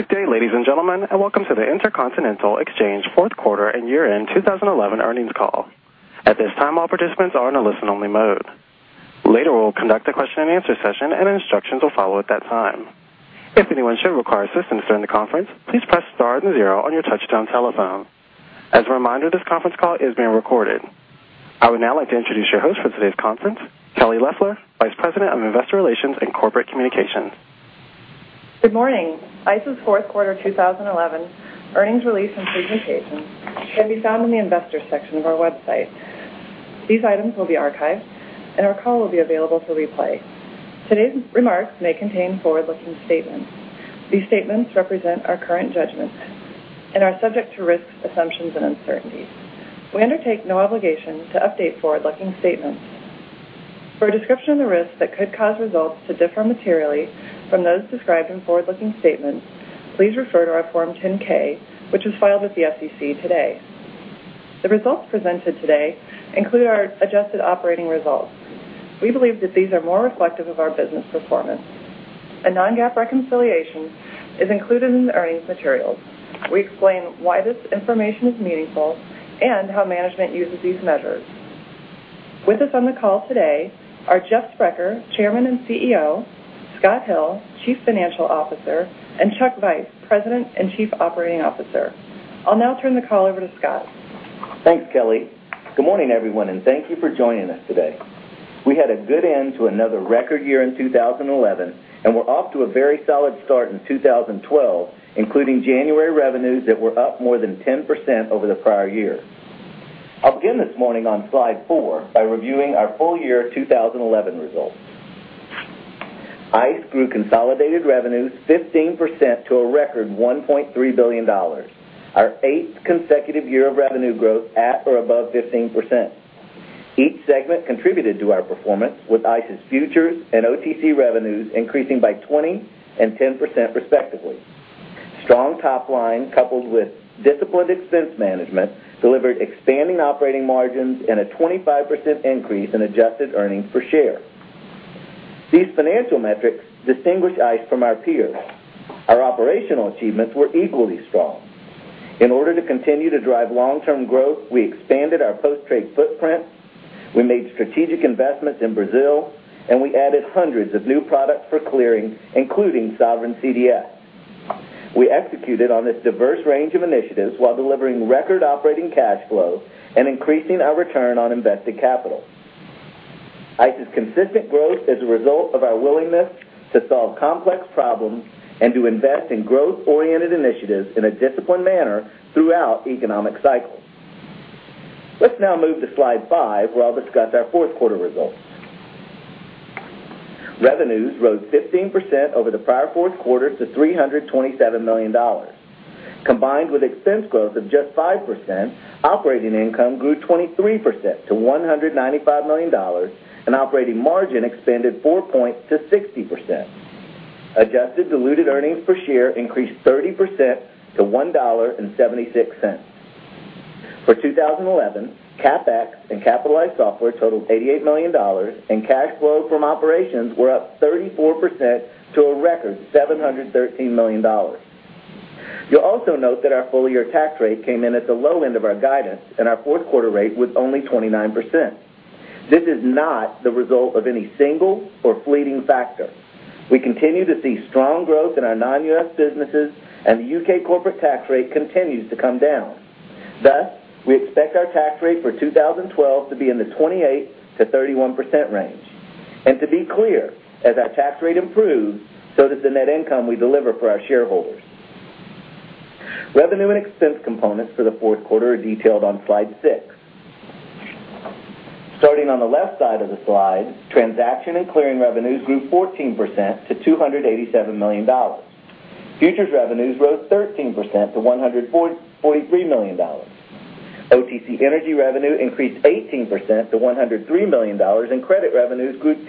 Good day, ladies and gentlemen, and welcome to the Intercontinental Exchange Fourth Quarter and Year-End 2011 Earnings Call. At this time, all participants are in a listen-only mode. Later we will conduct a question and answer session, and instructions will follow at that time. If anyone should require assistance during the conference, please press star and zero on your touch-tone telephone. As a reminder, this conference call is being recorded. I would now like to introduce your host for today's conference, Kelly Loeffler, Vice President of Investor Relations and Corporate Communications. Good morning. ICE's Fourth Quarter 2011 Earnings Release and Statement can be found in the Investors section of our website. These items will be archived, and our call will be available to replay. Today's remarks may contain forward-looking statements. These statements represent our current judgments and are subject to risks, assumptions, and uncertainties. We undertake no obligation to update forward-looking statements. For a description of the risks that could cause results to differ materially from those described in forward-looking statements, please refer to our Form 10-K, which was filed with the SEC today. The results presented today include our adjusted operating results. We believe that these are more reflective of our business performance. A non-GAAP reconciliation is included in the earnings material. We explain why this information is meaningful and how management uses these measures. With us on the call today are Jeff Sprecher, Chairman and CEO; Scott Hill, Chief Financial Officer; and Chuck Vice, President and Chief Operating Officer. I'll now turn the call over to Scott. Thanks, Kelly. Good morning, everyone, and thank you for joining us today. We had a good end to another record year in 2011, and we're off to a very solid start in 2012, including January revenues that were up more than 10% over-the-prior year. I'll begin this morning on slide four by reviewing our full-year 2011 result. ICE grew consolidated revenues 15% to a record $1.3 billion, our eighth consecutive year of revenue growth at or above 15%. Each segment contributed to our performance, with ICE's futures and OTC revenues increasing by 20% and 10% respectively. Strong top line, coupled with disciplined expense management, delivered expanding operating margins and a 25% increase in adjusted earnings per share. These financial metrics distinguish ICE from our peers. Our operational achievements were equally strong. In order to continue to drive long-term growth, we expanded our post-trade footprint, we made strategic investments in Brazil, and we added hundreds of new products for clearing, including sovereign CDS. We executed on this diverse range of initiatives while delivering record operating cash flow and increasing our return on invested capital. ICE's consistent growth is a result of our willingness to solve complex problems and to invest in growth-oriented initiatives in a disciplined manner throughout the economic cycle. Let's now move to slide five, where I'll discuss our fourth quarter results. Revenues rose 15% over the prior four quarters to $327 million. Combined with expense growth of just 5%, operating income grew 23% to $195 million, and operating margin expanded 4 points to 60%. Adjusted diluted earnings per share increased 30% to $1.76. For 2011, CapEx and capitalized software totaled $88 million, and cash flow from operations were up 34% to a record $713 million. You'll also note that our full-year tax rate came in at the low end of our guidance, and our fourth quarter rate was only 29%. This is not the result of any single or fleeting factor. We continue to see strong growth in our non-U.S. businesses, and the U.K. corporate tax rate continues to come down. Thus, we expect our tax rate for 2012 to be in the 28%-31% range. To be clear, as our tax rate improves, so does the net income we deliver for our shareholders. Revenue and expense components for the fourth quarter are detailed on slide six. Starting on the left side of the slide, transaction and clearing revenues grew 14% to $287 million. Futures revenues rose 13% to $143 million. OTC energy revenue increased 18% to $103 million, and credit revenues grew 10%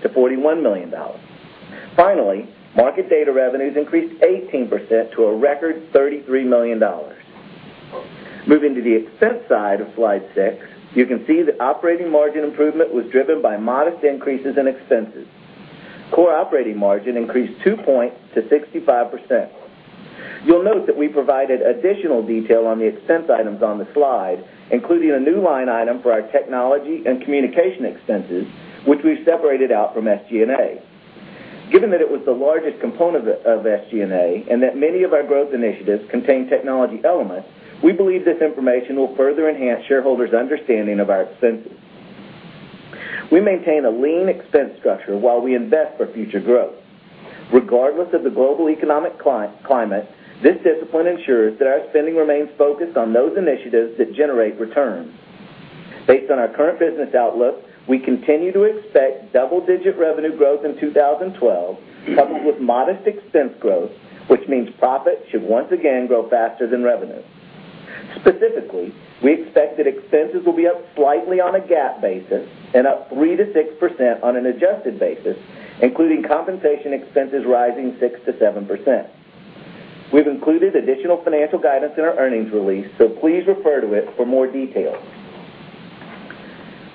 to $41 million. Finally, market data revenues increased 18% to a record $33 million. Moving to the expense side of slide six, you can see the operating margin improvement was driven by modest increases in expenses. Core operating margin increased 2 points to 65%. You'll note that we provided additional detail on the expense items on the slide, including a new line item for our technology and communication expenses, which we've separated out from SG&A. Given that it was the largest component of SG&A and that many of our growth initiatives contain technology elements, we believe this information will further enhance shareholders' understanding of our expenses. We maintain a lean expense structure while we invest for future growth. Regardless of the global economic climate, this discipline ensures that our spending remains focused on those initiatives that generate returns. Based on our current business outlook, we continue to expect double-digit revenue growth in 2012, coupled with modest expense growth, which means profit should once again grow faster than revenue. Specifically, we expect that expenses will be up slightly on a GAAP basis and up 3%-6% on an adjusted basis, including compensation expenses rising 6%-7%. We've included additional financial guidance in our earnings release, so please refer to it for more details.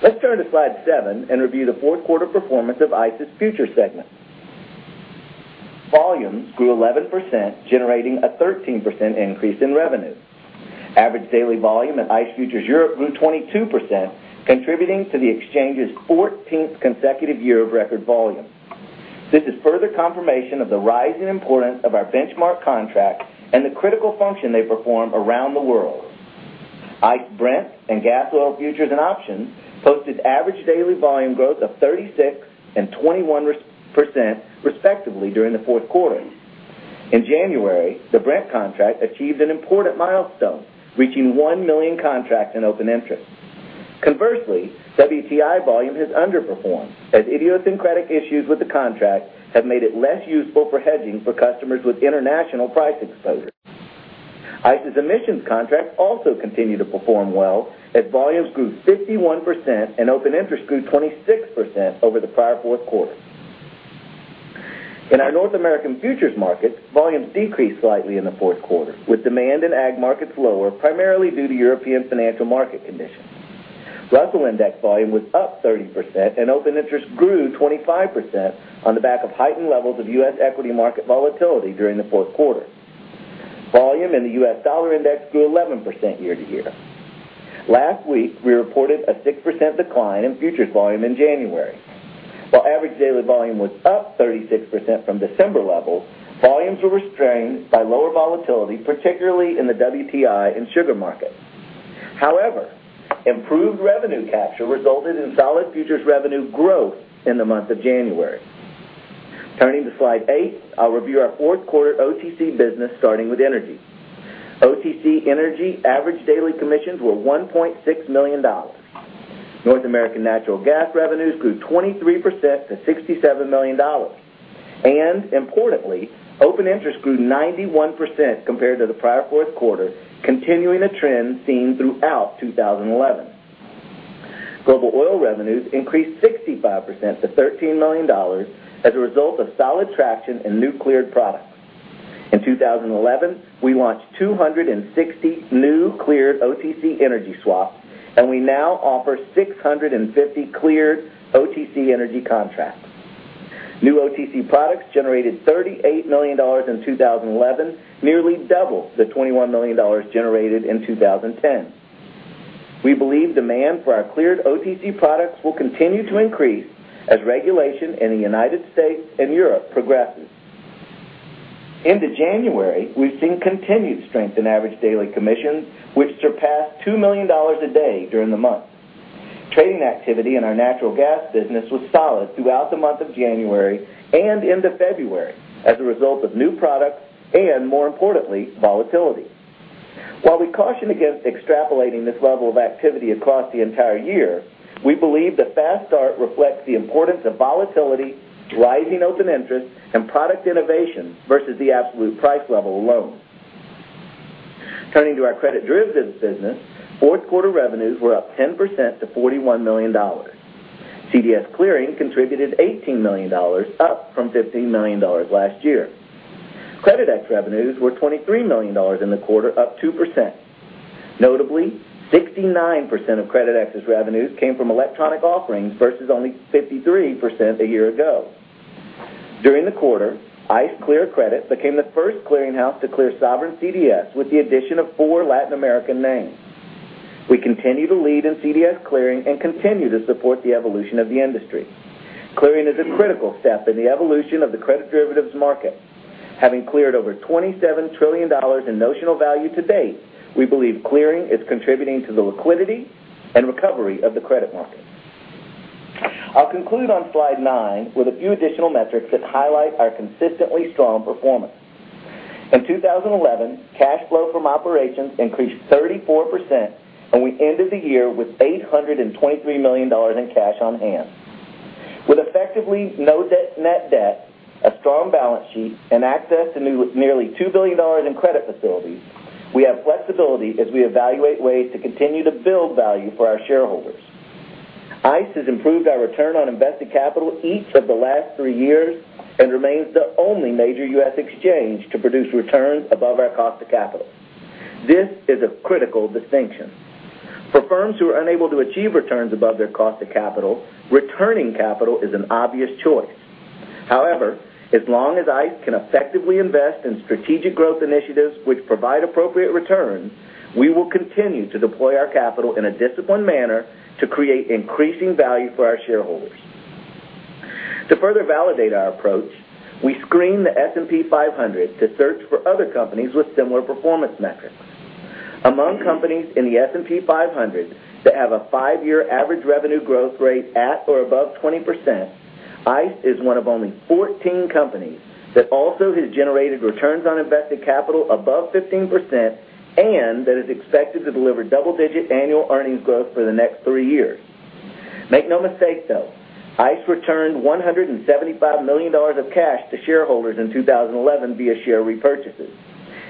Let's turn to slide seven and review the fourth quarter performance of ICE's futures segment. Volumes grew 11%, generating a 13% increase in revenue. Average daily volume at ICE Futures Europe grew 22%, contributing to the exchange's 14th consecutive year of record volume. This is further confirmation of the rising importance of our benchmark contract and the critical function they perform around the world. ICE Brent and Gas Oil Futures and Options posted average daily volume growth of 36% and 21% respectively during the fourth quarter. In January, the Brent contract achieved an important milestone, reaching 1 million contracts in open interest. Conversely, WTI volume has underperformed, as idiosyncratic issues with the contract have made it less useful for hedging for customers with international price exposure. ICE's emissions contract also continued to perform well, as volumes grew 61% and open interest grew 26% over-the-prior fourth quarter. In our North American futures markets, volumes decreased slightly in the fourth quarter, with demand in Ag markets lower, primarily due to European financial market conditions. The Russell Index volume was up 30%, and open interest grew 25% on the back of heightened levels of U.S. equity market volatility during the fourth quarter. Volume in the U.S. Dollar Index grew 11% year-to-year. Last week, we reported a 6% decline in futures volume in January. While average daily volume was up 36% from December levels, volumes were restrained by lower volatility, particularly in the WTI and sugar markets. However, improved revenue capture resulted in solid futures revenue growth in the month of January. Turning to slide eight, I'll review our fourth quarter OTC business, starting with energy. OTC Energy average daily commissions were $1.6 million. North American Natural Gas revenues grew 23% to $67 million. Importantly, open interest grew 91% compared to the prior fourth quarter, continuing a trend seen throughout 2011. Global oil revenues increased 65% to $13 million as a result of solid traction in new cleared products. In 2011, we launched 260 new cleared OTC Energy swaps, and we now offer 650 cleared OTC Energy contracts. New OTC products generated $38 million in 2011, nearly double the $21 million generated in 2010. We believe demand for our cleared OTC products will continue to increase as regulation in the United States and Europe progresses. In January, we've seen continued strength in average daily commissions, which surpassed $2 million a day during the month. Trading activity in our Natural Gas business was solid throughout the month of January and into February as a result of new products and, more importantly, volatility. While we caution against extrapolating this level of activity across the entire year, we believe the fast start reflects the importance of volatility, rising open interest, and product innovation versus the absolute price level alone. Turning to our credit-driven business, fourth quarter revenues were up 10% to $41 million. CDS clearing contributed $18 million, up from $15 million last year. Creditex revenues were $23 million in the quarter, up 2%. Notably, 69% of Creditex's revenues came from electronic offerings versus only 53% a year ago. During the quarter, ICE Clear Credit became the first clearinghouse to clear sovereign CDS with the addition of four Latin American names. We continue to lead in CDS clearing and continue to support the evolution of the industry. Clearing is a critical step in the evolution of the credit derivatives market. Having cleared over $27 trillion in notional value to date, we believe clearing is contributing to the liquidity and recovery of the credit market. I'll conclude on slide nine with a few additional metrics that highlight our consistently strong performance. In 2011, cash flow from operations increased 34%, and we ended the year with $823 million in cash on hand. With effectively no net debt, a strong balance sheet, and access to nearly $2 billion in credit facilities, we have flexibility as we evaluate ways to continue to build value for our shareholders. ICE has improved our return on invested capital each of the last three years and remains the only major U.S. exchange to produce returns above our cost of capital. This is a critical distinction. For firms who are unable to achieve returns above their cost of capital, returning capital is an obvious choice. However, as long as ICE can effectively invest in strategic growth initiatives which provide appropriate returns, we will continue to deploy our capital in a disciplined manner to create increasing value for our shareholders. To further validate our approach, we screened the S&P 500 to search for other companies with similar performance metrics. Among companies in the S&P 500 that have a five-year average revenue growth rate at or above 20%, ICE is one of only 14 companies that also has generated returns on invested capital above 15% and that is expected to deliver double-digit annual earnings growth for the next three years. Make no mistake though, ICE returned $175 million of cash to shareholders in 2011 via share repurchases,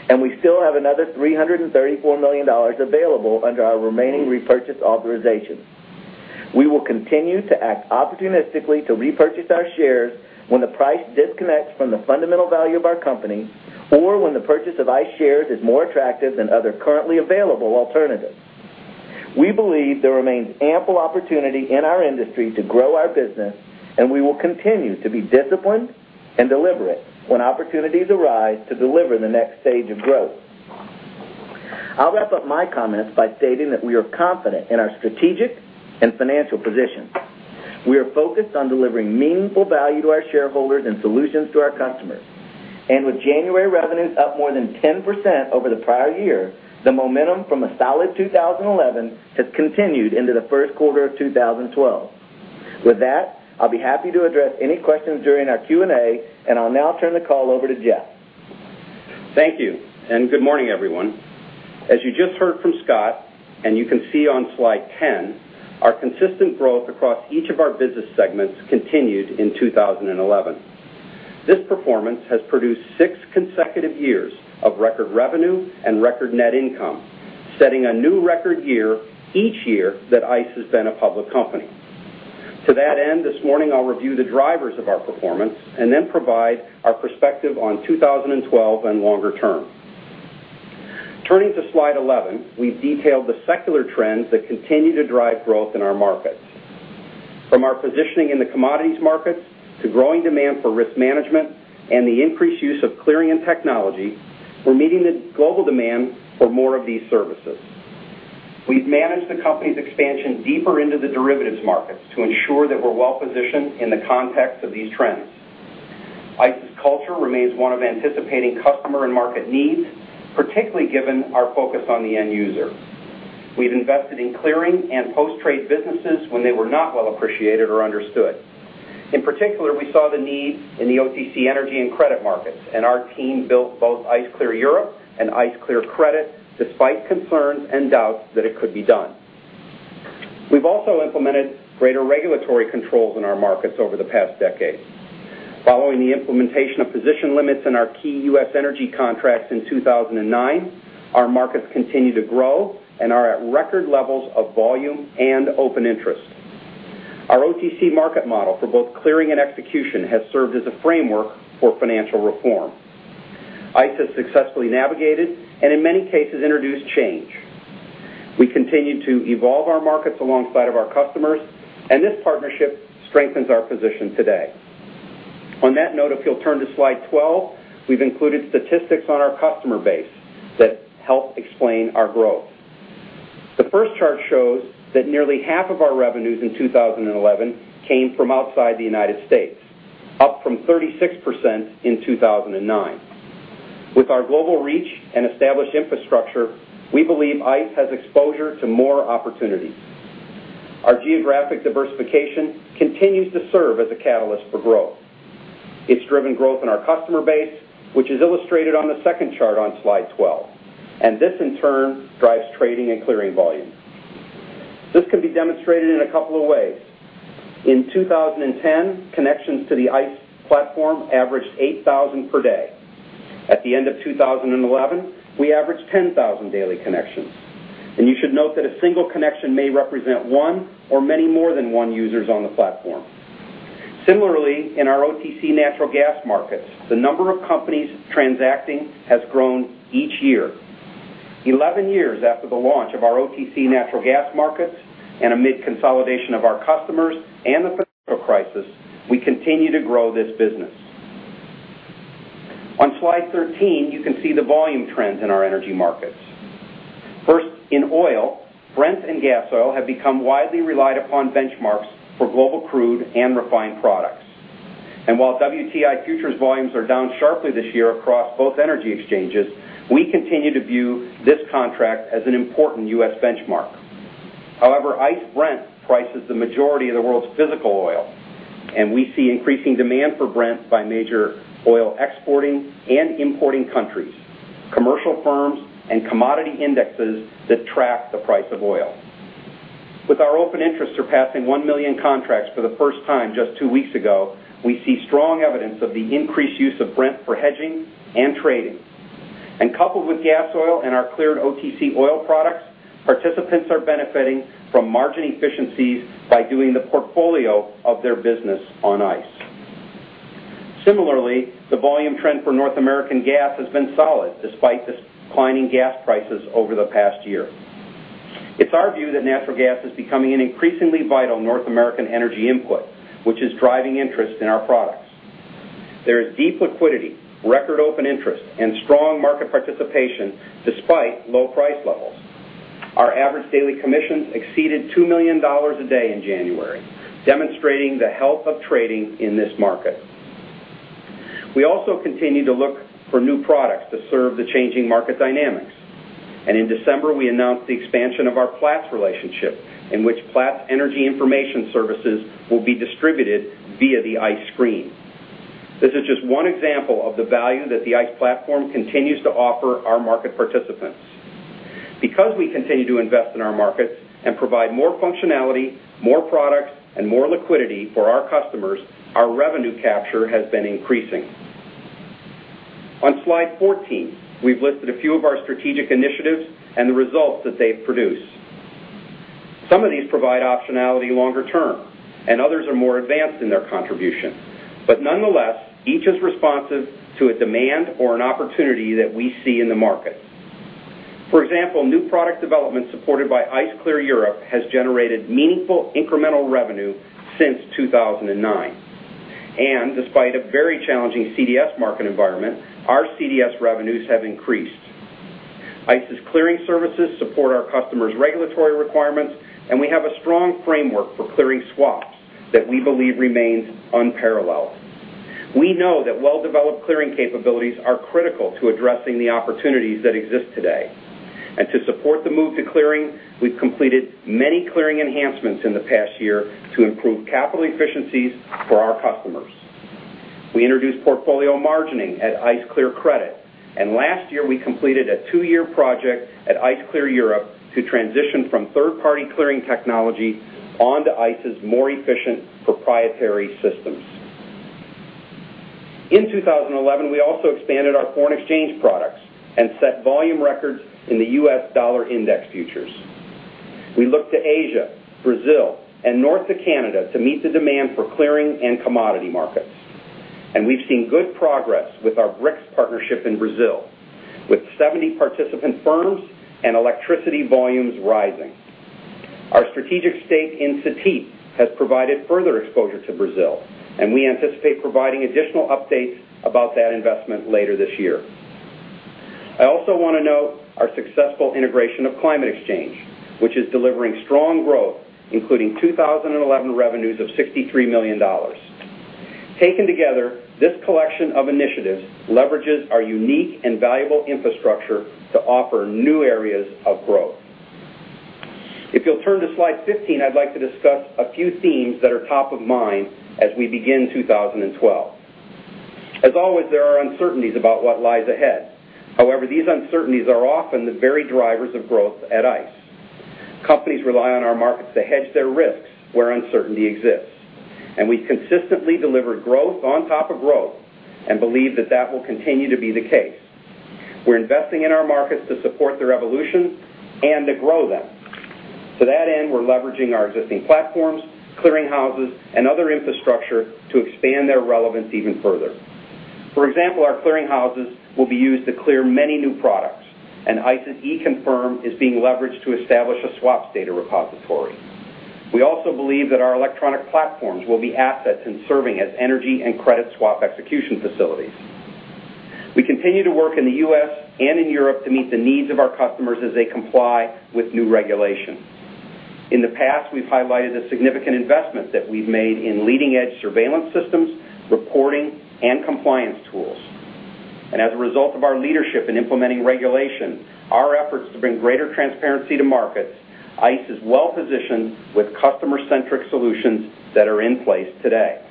and we still have another $334 million available under our remaining repurchase authorization. We will continue to act opportunistically to repurchase our shares when the price disconnects from the fundamental value of our company or when the purchase of ICE shares is more attractive than other currently available alternatives. We believe there remains ample opportunity in our industry to grow our business, and we will continue to be disciplined and deliberate when opportunities arise to deliver the next stage of growth. I'll wrap up my comments by stating that we are confident in our strategic and financial positions. We are focused on delivering meaningful value to our shareholders and solutions to our customers. With January revenues up more than 10% over-the-prior year, the momentum from a solid 2011 has continued into the first quarter of 2012. With that, I'll be happy to address any questions during our Q&A, and I'll now turn the call over to Jeff. Thank you, and good morning, everyone. As you just heard from Scott, and you can see on slide 10, our consistent growth across each of our business segments continued in 2011. This performance has produced six consecutive years of record revenue and record net income, setting a new record year each year that ICE has been a public company. To that end, this morning I'll review the drivers of our performance and then provide our perspective on 2012 and longer term. Turning to slide 11, we've detailed the secular trends that continue to drive growth in our markets. From our positioning in the commodities markets to growing demand for risk management and the increased use of clearing and technology, we're meeting the global demand for more of these services. We've managed the company's expansion deeper into the derivatives markets to ensure that we're well positioned in the context of these trends. ICE's culture remains one of anticipating customer and market needs, particularly given our focus on the end user. We've invested in clearing and post-trade businesses when they were not well appreciated or understood. In particular, we saw the need in the OTC energy and credit markets, and our team built both ICE Clear Europe and ICE Clear Credit to fight concerns and doubts that it could be done. We've also implemented greater regulatory controls in our markets over the past decade. Following the implementation of position limits in our key U.S. energy contracts in 2009, our markets continue to grow and are at record levels of volume and open interest. Our OTC market model for both clearing and execution has served as a framework for financial reform. ICE has successfully navigated and, in many cases, introduced change. We continue to evolve our markets alongside of our customers, and this partnership strengthens our position today. On that note, if you'll turn to slide 12, we've included statistics on our customer base that help explain our growth. The first chart shows that nearly half of our revenues in 2011 came from outside the U.S., up from 36% in 2009. With our global reach and established infrastructure, we believe ICE has exposure to more opportunities. Our geographic diversification continues to serve as a catalyst for growth. It's driven growth in our customer base, which is illustrated on the second chart on slide 12, and this, in turn, drives trading and clearing volume. This can be demonstrated in a couple of ways. In 2010, connections to the ICE platform averaged 8,000 per day. At the end of 2011, we averaged 10,000 daily connections. You should note that a single connection may represent one or many more than one user on the platform. Similarly, in our OTC natural gas markets, the number of companies transacting has grown each year. Eleven years after the launch of our OTC natural gas markets and amid consolidation of our customers and the political crisis, we continue to grow this business. On slide 13, you can see the volume trends in our energy markets. First, in oil, Brent and Gas Oil have become widely relied upon benchmarks for global crude and refined products. While WTI futures volumes are down sharply this year across both energy exchanges, we continue to view this contract as an important U.S. benchmark. However, ICE Brent prices the majority of the world's physical oil, and we see increasing demand for Brent by major oil exporting and importing countries, commercial firms, and commodity indexes that track the price of oil. With our open interest surpassing 1 million contracts for the first time just two weeks ago, we see strong evidence of the increased use of Brent for hedging and trading. Coupled with Gas Oil and our cleared OTC oil products, participants are benefiting from margin efficiencies by doing the portfolio of their business on ICE. Similarly, the volume trend for North American gas has been solid despite declining gas prices over the past year. It's our view that natural gas is becoming an increasingly vital North American energy input, which is driving interest in our products. There is deep liquidity, record open interest, and strong market participation despite low price levels. Our average daily commissions exceeded $2 million a day in January, demonstrating the health of trading in this market. We also continue to look for new products to serve the changing market dynamics. In December, we announced the expansion of our Platts relationship, in which Platts Energy Information Services will be distributed via the ICE screen. This is just one example of the value that the ICE platform continues to offer our market participants. Because we continue to invest in our markets and provide more functionality, more products, and more liquidity for our customers, our revenue capture has been increasing. On slide 14, we've listed a few of our strategic initiatives and the results that they produce. Some of these provide optionality longer term, and others are more advanced in their contribution. Nonetheless, each is responsive to a demand or an opportunity that we see in the market. For example, new product development supported by ICE Clear Europe has generated meaningful incremental revenue since 2009. Despite a very challenging CDS market environment, our CDS revenues have increased. ICE's clearing services support our customers' regulatory requirements, and we have a strong framework for clearing swaps that we believe remains unparalleled. We know that well-developed clearing capabilities are critical to addressing the opportunities that exist today. To support the move to clearing, we've completed many clearing enhancements in the past year to improve capital efficiencies for our customers. We introduced portfolio margining at ICE Clear Credit, and last year we completed a two-year project at ICE Clear Europe to transition from third-party clearing technology onto ICE's more efficient proprietary systems. In 2011, we also expanded our foreign exchange products and set volume records in the U.S. Dollar Index futures. We looked to Asia, Brazil, and north of Canada to meet the demand for clearing and commodity markets. We've seen good progress with our BRICS partnership in Brazil, with 70 participant firms and electricity volumes rising. Our strategic stake in CETIP has provided further exposure to Brazil, and we anticipate providing additional updates about that investment later this year. I also want to note our successful integration of Climate Exchange, which is delivering strong growth, including 2011 revenues of $63 million. Taken together, this collection of initiatives leverages our unique and valuable infrastructure to offer new areas of growth. If you'll turn to slide 15, I'd like to discuss a few themes that are top of mind as we begin 2012. As always, there are uncertainties about what lies ahead. However, these uncertainties are often the very drivers of growth at ICE. Companies rely on our markets to hedge their risks where uncertainty exists. We've consistently delivered growth on top of growth and believe that that will continue to be the case. We're investing in our markets to support their evolution and to grow them. To that end, we're leveraging our existing platforms, clearing houses, and other infrastructure to expand their relevance even further. For example, our clearing houses will be used to clear many new products, and ICE's eConfirm is being leveraged to establish a swap data repository. We also believe that our electronic platforms will be assets in serving as energy and credit swap execution facilities. We continue to work in the U.S. and in Europe to meet the needs of our customers as they comply with new regulation. In the past, we've highlighted the significant investments that we've made in leading-edge surveillance systems, reporting, and compliance tools. As a result of our leadership in implementing regulation, our efforts to bring greater transparency to markets, ICE is well positioned with customer-centric solutions that are in place today.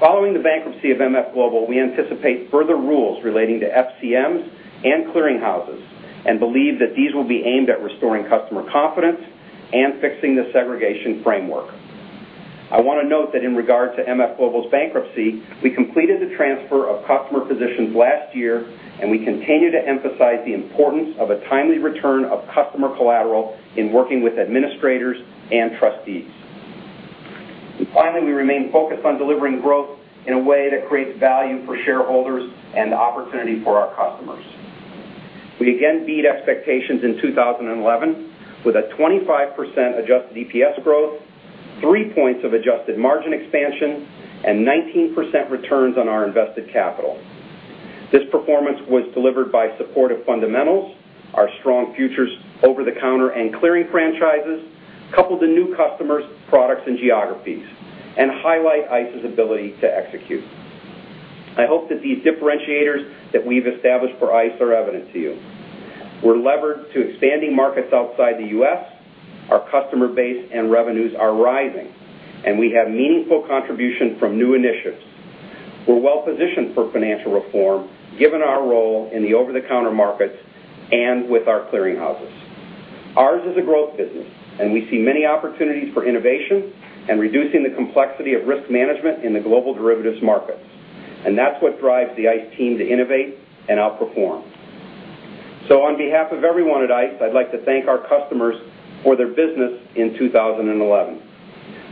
Following the bankruptcy of MF Global, we anticipate further rules relating to FCMs and clearing houses and believe that these will be aimed at restoring customer confidence and fixing the segregation framework. I want to note that in regard to MF Global's bankruptcy, we completed the transfer of customer positions last year, and we continue to emphasize the importance of a timely return of customer collateral in working with administrators and trustees. Finally, we remain focused on delivering growth in a way that creates value for shareholders and opportunity for our customers. We again beat expectations in 2011 with a 25% adjusted EPS growth, 3 points of adjusted margin expansion, and 19% returns on our invested capital. This performance was delivered by supportive fundamentals, our strong futures, over-the-counter, and clearing franchises, coupled to new customers, products, and geographies, and highlight ICE's ability to execute. I hope that these differentiators that we've established for ICE are evident to you. We're levered to expanding markets outside the U.S., our customer base and revenues are rising, and we have meaningful contributions from new initiatives. We're well positioned for financial reform, given our role in the over-the-counter markets and with our clearing houses. Ours is a growth business, and we see many opportunities for innovation and reducing the complexity of risk management in the global derivatives markets. That is what drives the ICE team to innovate and outperform. On behalf of everyone at ICE, I'd like to thank our customers for their business in 2011.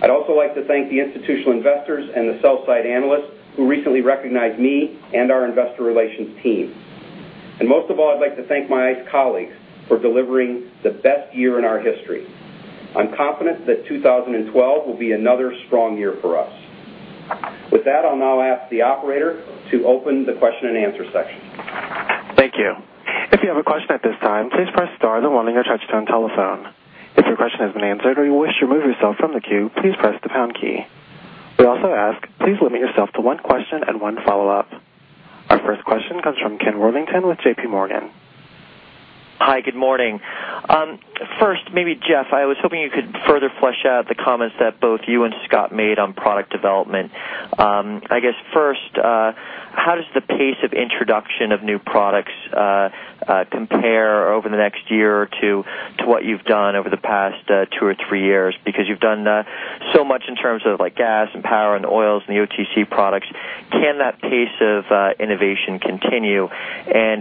I'd also like to thank the institutional investors and the sell-side analysts who recently recognized me and our investor relations team. Most of all, I'd like to thank my ICE colleagues for delivering the best year in our history. I'm confident that 2012 will be another strong year for us. With that, I'll now ask the operator to open the question and answer section. Thank you. If you have a question at this time, please press star and the one on your touch-tone telephone. If your question has been answered or you wish to remove yourself from the queue, please press the pound key. We also ask, please limit yourself to one question and one follow-up. Our first question comes from Ken Worthington with JPMorgan. Hi, good morning. First, maybe Jeff, I was hoping you could further flesh out the comments that both you and Scott made on product development. I guess first, how does the pace of introduction of new products compare over the next year or two to what you've done over the past two or three years? Because you've done so much in terms of like gas and power and oils and the OTC products. Can that pace of innovation continue?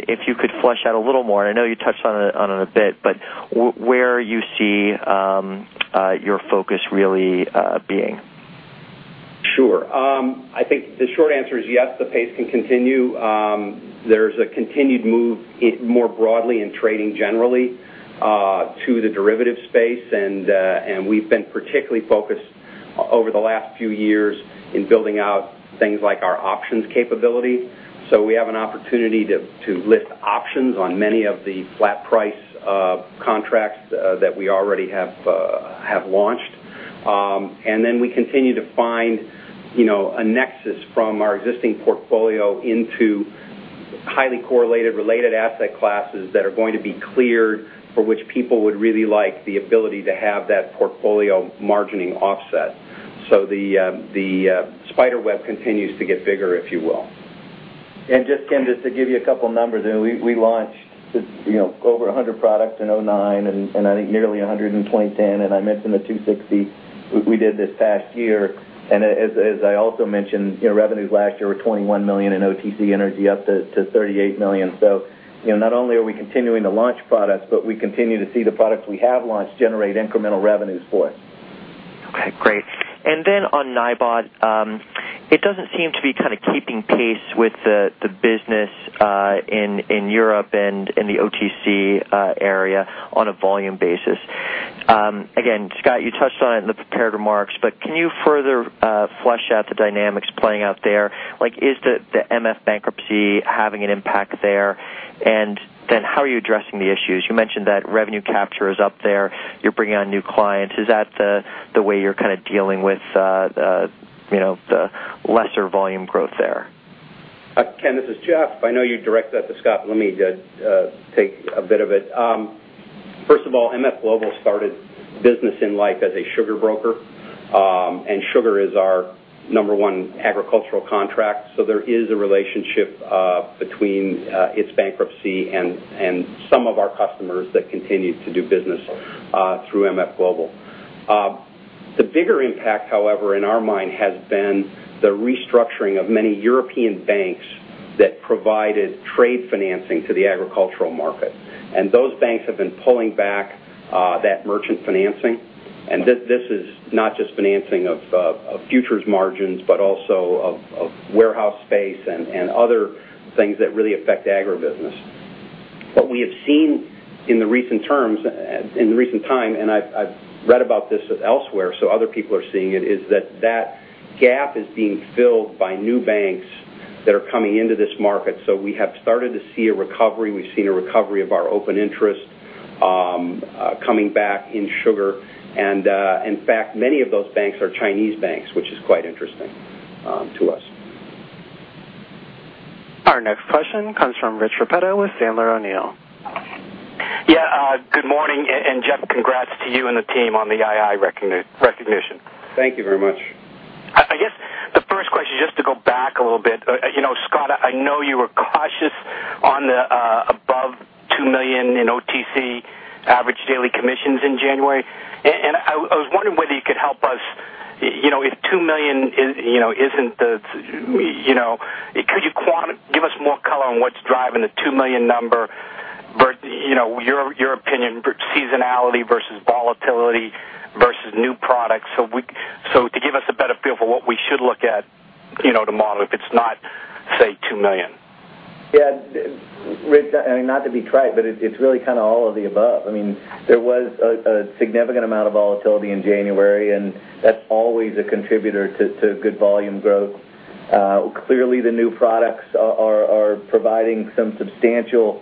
If you could flesh out a little more, I know you touched on it a bit, but where you see your focus really being. Sure. I think the short answer is yes, the pace can continue. There's a continued move more broadly in trading generally to the derivative space, and we've been particularly focused over the last few years in building out things like our options capability. We have an opportunity to lift options on many of the flat price contracts that we already have launched. We continue to find a nexus from our existing portfolio into highly correlated related asset classes that are going to be cleared for which people would really like the ability to have that portfolio margining offset. The spider web continues to get bigger, if you will. Ken, just to give you a couple of numbers, we launched over 100 products in 2009 and I think nearly 100 in 2010. I mentioned the 260 we did this past year. As I also mentioned, revenues last year were $21 million in OTC energy, up to $38 million. Not only are we continuing to launch products, but we continue to see the products we have launched generate incremental revenues for us. OK, great. On NYBOT, it doesn't seem to be kind of keeping pace with the business in Europe and in the OTC area on a volume basis. Scott, you touched on it in the prepared remarks, but can you further flesh out the dynamics playing out there? Is the MF bankruptcy having an impact there? How are you addressing the issues? You mentioned that revenue capture is up there. You're bringing on new clients. Is that the way you're kind of dealing with the lesser volume growth there? Ken, this is Jeff. I know you're directed at Scott. Let me take a bit of it. First of all, MF Global started business in life as a sugar broker, and sugar is our number one agricultural contract. There is a relationship between its bankruptcy and some of our customers that continue to do business through MF Global. The bigger impact, however, in our mind has been the restructuring of many European banks that provided trade financing to the agricultural market. Those banks have been pulling back that merchant financing. This is not just financing of futures margins, but also of warehouse space and other things that really affect the agribusiness. We have seen in recent times, and I've read about this elsewhere, so other people are seeing it, that gap is being filled by new banks that are coming into this market. We have started to see a recovery. We've seen a recovery of our open interest coming back in sugar. In fact, many of those banks are Chinese banks, which is quite interesting to us. Our next question comes from Rich Repetto with Sandler O'Neill. Good morning. Jeff, congrats to you and the team on the II recognition. Thank you very much. I guess the first question is just to go back a little bit. Scott, I know you were cautious on the above $2 million in OTC average daily commissions in January. I was wondering whether you could help us, if $2 million isn't the, could you give us more color on what's driving the $2 million number, your opinion, seasonality versus volatility versus new products? To give us a better feel for what we should look at tomorrow if it's not, say, $2 million. Yeah, Rich, I mean, not to be trite, but it's really kind of all of the above. I mean, there was a significant amount of volatility in January, and that's always a contributor to good volume growth. Clearly, the new products are providing some substantial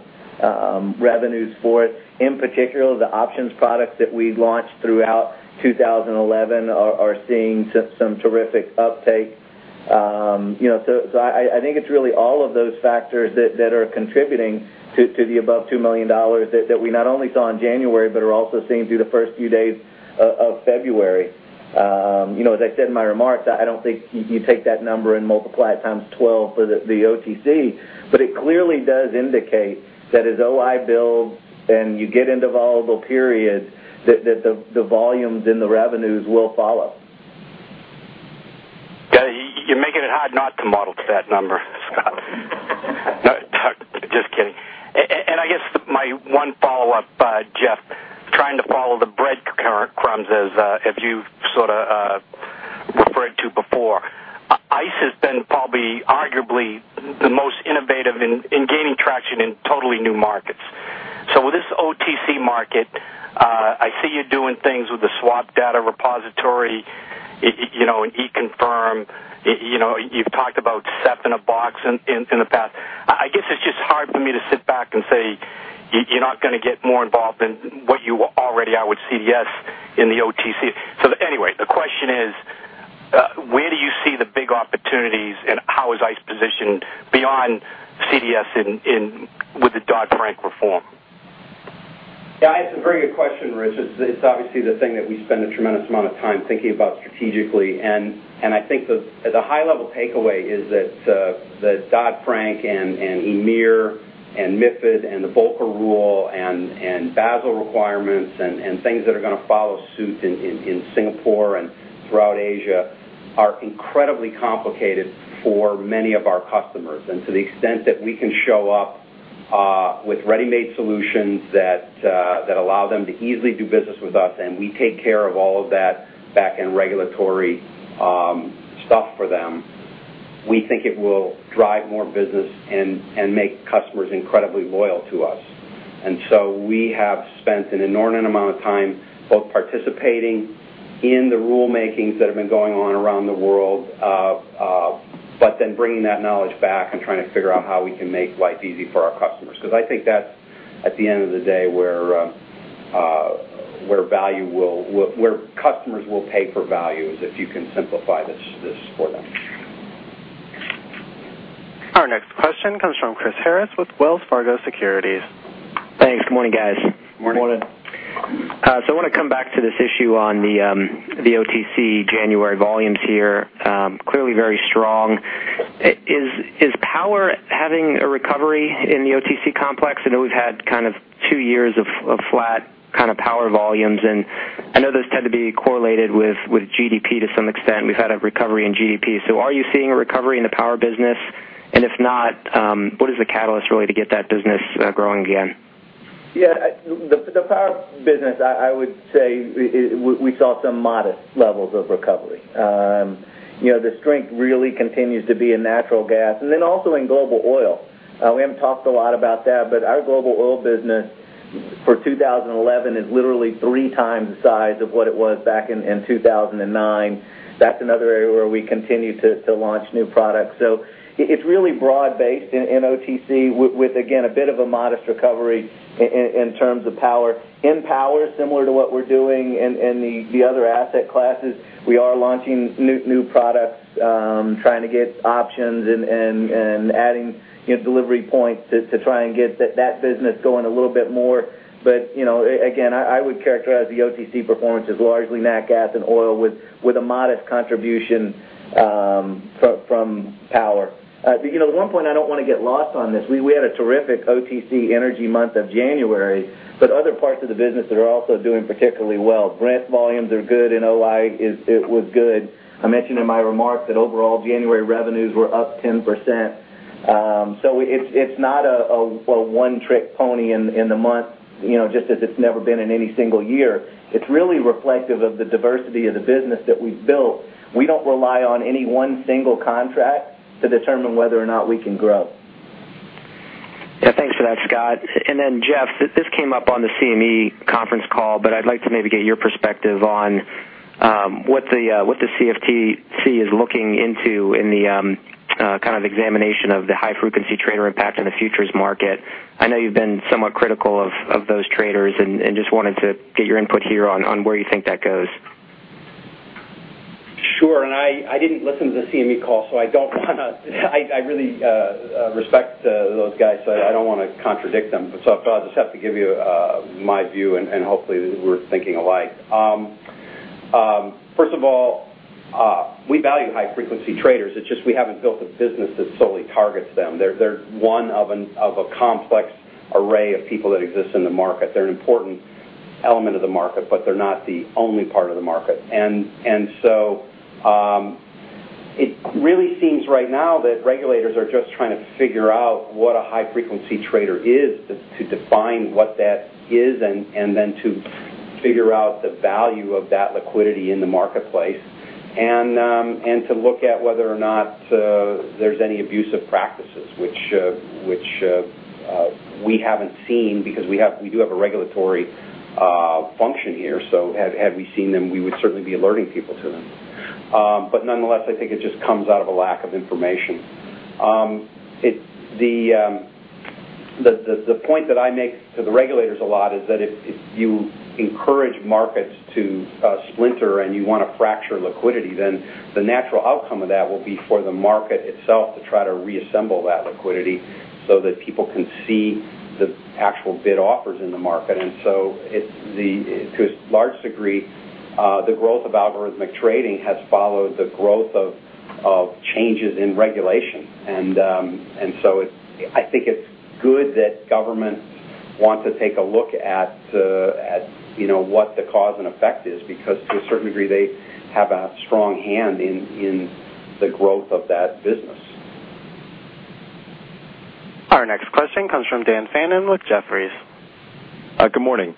revenues for it. In particular, the options products that we launched throughout 2011 are seeing some terrific uptake. I think it's really all of those factors that are contributing to the above $2 million that we not only saw in January but are also seeing through the first few days of February. As I said in my remarks, I don't think you take that number and multiply it times 12 for the OTC, but it clearly does indicate that as OI builds and you get into volatile periods, the volumes and the revenues will follow. You're making it hard not to model to that number, Scott. Just kidding. I guess my one follow-up, Jeff, trying to follow the breadcrumbs, as you sort of referred to before. ICE has been probably arguably the most innovative in gaining traction in totally new markets. With this OTC market, I see you doing things with the swap data repository, you know, and eConfirm. You've talked about SEP and a box in the past. I guess it's just hard for me to sit back and say you're not going to get more involved than what you already are with CDS in the OTC. Anyway, the question is, where do you see the big opportunities and how is ICE positioned beyond CDS with the Dodd-Frank reform? Yeah, it's a very good question, Rich. It's obviously the thing that we spend a tremendous amount of time thinking about strategically. I think the high-level takeaway is that the Dodd-Frank and EMIR and MiFID and the Volcker rule and Basel requirements and things that are going to follow suit in Singapore and throughout Asia are incredibly complicated for many of our customers. To the extent that we can show up with ready-made solutions that allow them to easily do business with us and we take care of all of that back-end regulatory stuff for them, we think it will drive more business and make customers incredibly loyal to us. We have spent an inordinate amount of time both participating in the rulemakings that have been going on around the world, but then bringing that knowledge back and trying to figure out how we can make life easy for our customers. I think that's, at the end of the day, where customers will pay for value, is if you can simplify this for them. Our next question comes from Chris Harris with Wells Fargo Securities. Thanks. Good morning, guys. Morning. I want to come back to this issue on the OTC January volumes here. Clearly, very strong. Is power having a recovery in the OTC complex? I know we've had kind of two years of flat kind of power volumes, and I know those tend to be correlated with GDP to some extent. We've had a recovery in GDP. Are you seeing a recovery in the power business? If not, what is the catalyst really to get that business growing again? Yeah, the power business, I would say we saw some modest levels of recovery. The strength really continues to be in natural gas and then also in global oil. We haven't talked a lot about that, but our global oil business for 2011 is literally three times the size of what it was back in 2009. That's another area where we continue to launch new products. It's really broad-based in OTC with, again, a bit of a modest recovery in terms of power. In power, similar to what we're doing in the other asset classes, we are launching new products, trying to get options and adding delivery points to try and get that business going a little bit more. Again, I would characterize the OTC performance as largely natural gas and oil with a modest contribution from power. At one point, I don't want to get lost on this. We had a terrific OTC energy month of January, but other parts of the business that are also doing particularly well. Brent volumes are good, and OI was good. I mentioned in my remark that overall January revenues were up 10%. It's not a one-trick pony in the month, just as it's never been in any single year. It's really reflective of the diversity of the business that we've built. We don't rely on any one single contract to determine whether or not we can grow. Yeah, thanks for that, Scott. Jeff, this came up on the CME Conference Call, but I'd like to maybe get your perspective on what the CFTC is looking into in the kind of examination of the high-frequency trader impact in the futures market. I know you've been somewhat critical of those traders and just wanted to get your input here on where you think that goes. Sure, I didn't listen to the CME call, so I don't want to—I really respect those guys, so I don't want to contradict them. I'll just have to give you my view, and hopefully we're thinking alike. First of all, we value high-frequency traders. It's just we haven't built a business that solely targets them. They're one of a complex array of people that exist in the market. They're an important element of the market, but they're not the only part of the market. It really seems right now that regulators are just trying to figure out what a high-frequency trader is, to define what that is, and then to figure out the value of that liquidity in the marketplace and to look at whether or not there's any abusive practices, which we haven't seen because we do have a regulatory function here. Had we seen them, we would certainly be alerting people to them. Nonetheless, I think it just comes out of a lack of information. The point that I make to the regulators a lot is that if you encourage markets to splinter and you want to fracture liquidity, the natural outcome of that will be for the market itself to try to reassemble that liquidity so that people can see the actual bid offers in the market. To a large degree, the growth of algorithmic trading has followed the growth of changes in regulation. I think it's good that government wants to take a look at what the cause and effect is because to a certain degree, they have a strong hand in the growth of that business. Our next question comes from Dan Fannon with Jefferies. Good morning.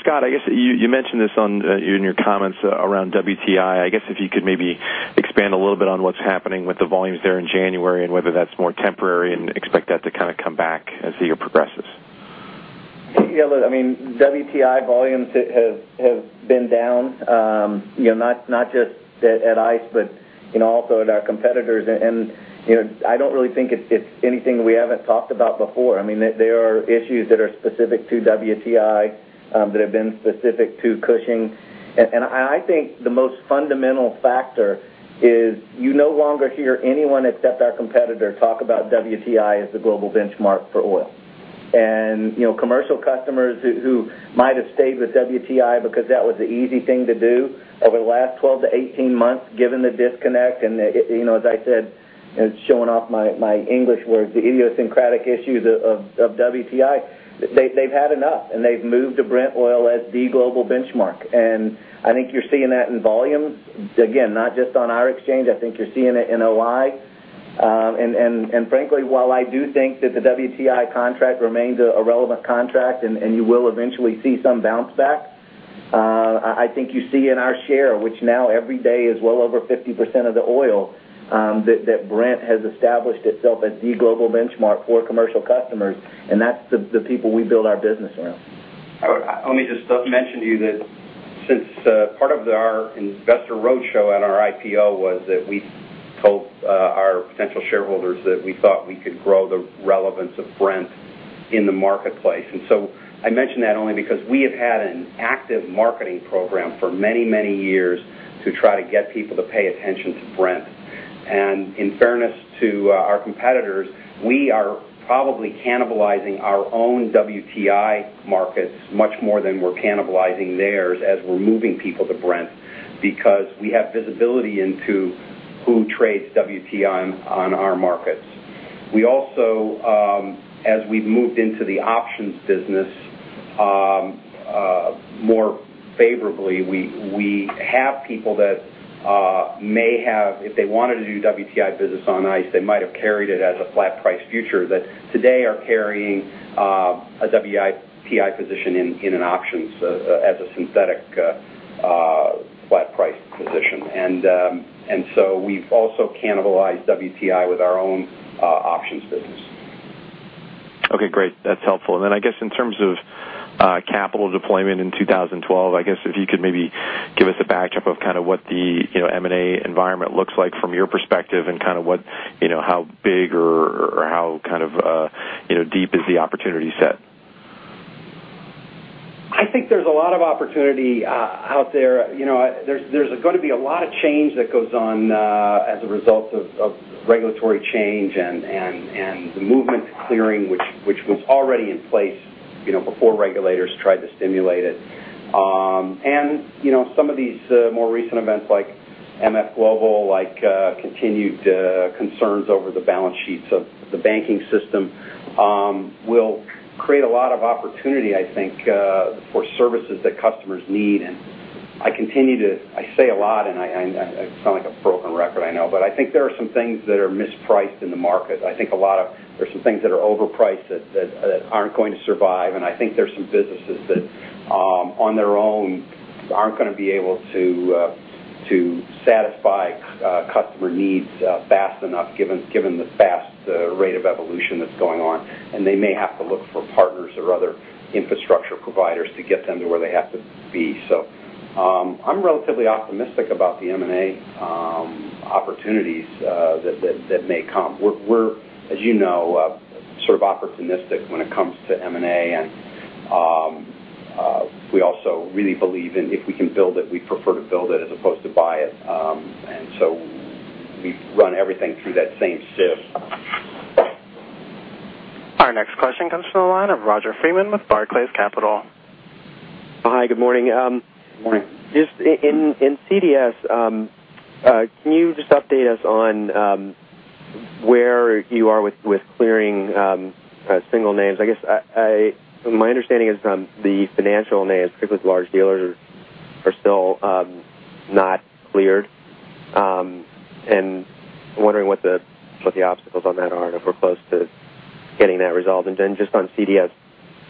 Scott, I guess you mentioned this in your comments around WTI. If you could maybe expand a little bit on what's happening with the volumes there in January and whether that's more temporary and expect that to kind of come back as the year progresses. Yeah, look, I mean, WTI volumes have been down, you know, not just at ICE, but also at our competitors. I don't really think it's anything we haven't talked about before. There are issues that are specific to WTI that have been specific to Cushing. I think the most fundamental factor is you no longer hear anyone except our competitor talk about WTI as the global benchmark for oil. Commercial customers who might have stayed with WTI because that was the easy thing to do over the last 12-18 months, given the disconnect and, you know, as I said, you know, showing off my English words, the idiosyncratic issues of WTI, they've had enough, and they've moved to Brent oil as the global benchmark. I think you're seeing that in volume, again, not just on our exchange. I think you're seeing it in OI. Frankly, while I do think that the WTI contract remains a relevant contract and you will eventually see some bounce back, I think you see in our share, which now every day is well over 50% of the oil, that Brent has established itself as the global benchmark for commercial customers. That's the people we build our business around. I want to just mention to you that since part of our investor roadshow at our IPO was that we told our potential shareholders that we thought we could grow the relevance of Brent in the marketplace. I mention that only because we have had an active marketing program for many, many years to try to get people to pay attention to Brent. In fairness to our competitors, we are probably cannibalizing our own WTI markets much more than we're cannibalizing theirs as we're moving people to Brent because we have visibility into who trades WTI on our markets. As we've moved into the options business more favorably, we have people that may have, if they wanted to do WTI business on ICE, they might have carried it as a flat price future that today are carrying a WTI position in an options as a synthetic flat price position. We've also cannibalized WTI with our own options business. OK, great. That's helpful. In terms of capital deployment in 2012, if you could maybe give us a backdrop of what the M&A environment looks like from your perspective and what, you know, how big or how deep is the opportunity set? I think there's a lot of opportunity out there. There's going to be a lot of change that goes on as a result of regulatory change and the movement to clearing, which was already in place before regulators tried to stimulate it. Some of these more recent events like MF Global, like continued concerns over the balance sheets of the banking system, will create a lot of opportunity, I think, for services that customers need. I continue to, I say a lot, and it's not like a broken record, I know, but I think there are some things that are mispriced in the market. I think a lot of, there's some things that are overpriced that aren't going to survive. I think there's some businesses that, on their own, aren't going to be able to satisfy customer needs fast enough, given the fast rate of evolution that's going on. They may have to look for partners or other infrastructure providers to get them to where they have to be. I'm relatively optimistic about the M&A opportunities that may come. We're, as you know, sort of opportunistic when it comes to M&A, and we also really believe in, if we can build it, we prefer to build it as opposed to buy it. We run everything through that same sieve. Our next question comes from the line of Roger Freeman with Barclays. Hi, good morning. Good morning. Just in CDS, can you update us on where you are with clearing single names? My understanding is from the financial names, particularly the large dealers, are still not cleared. I'm wondering what the obstacles on that are, and if we're close to getting that resolved. Just on CDS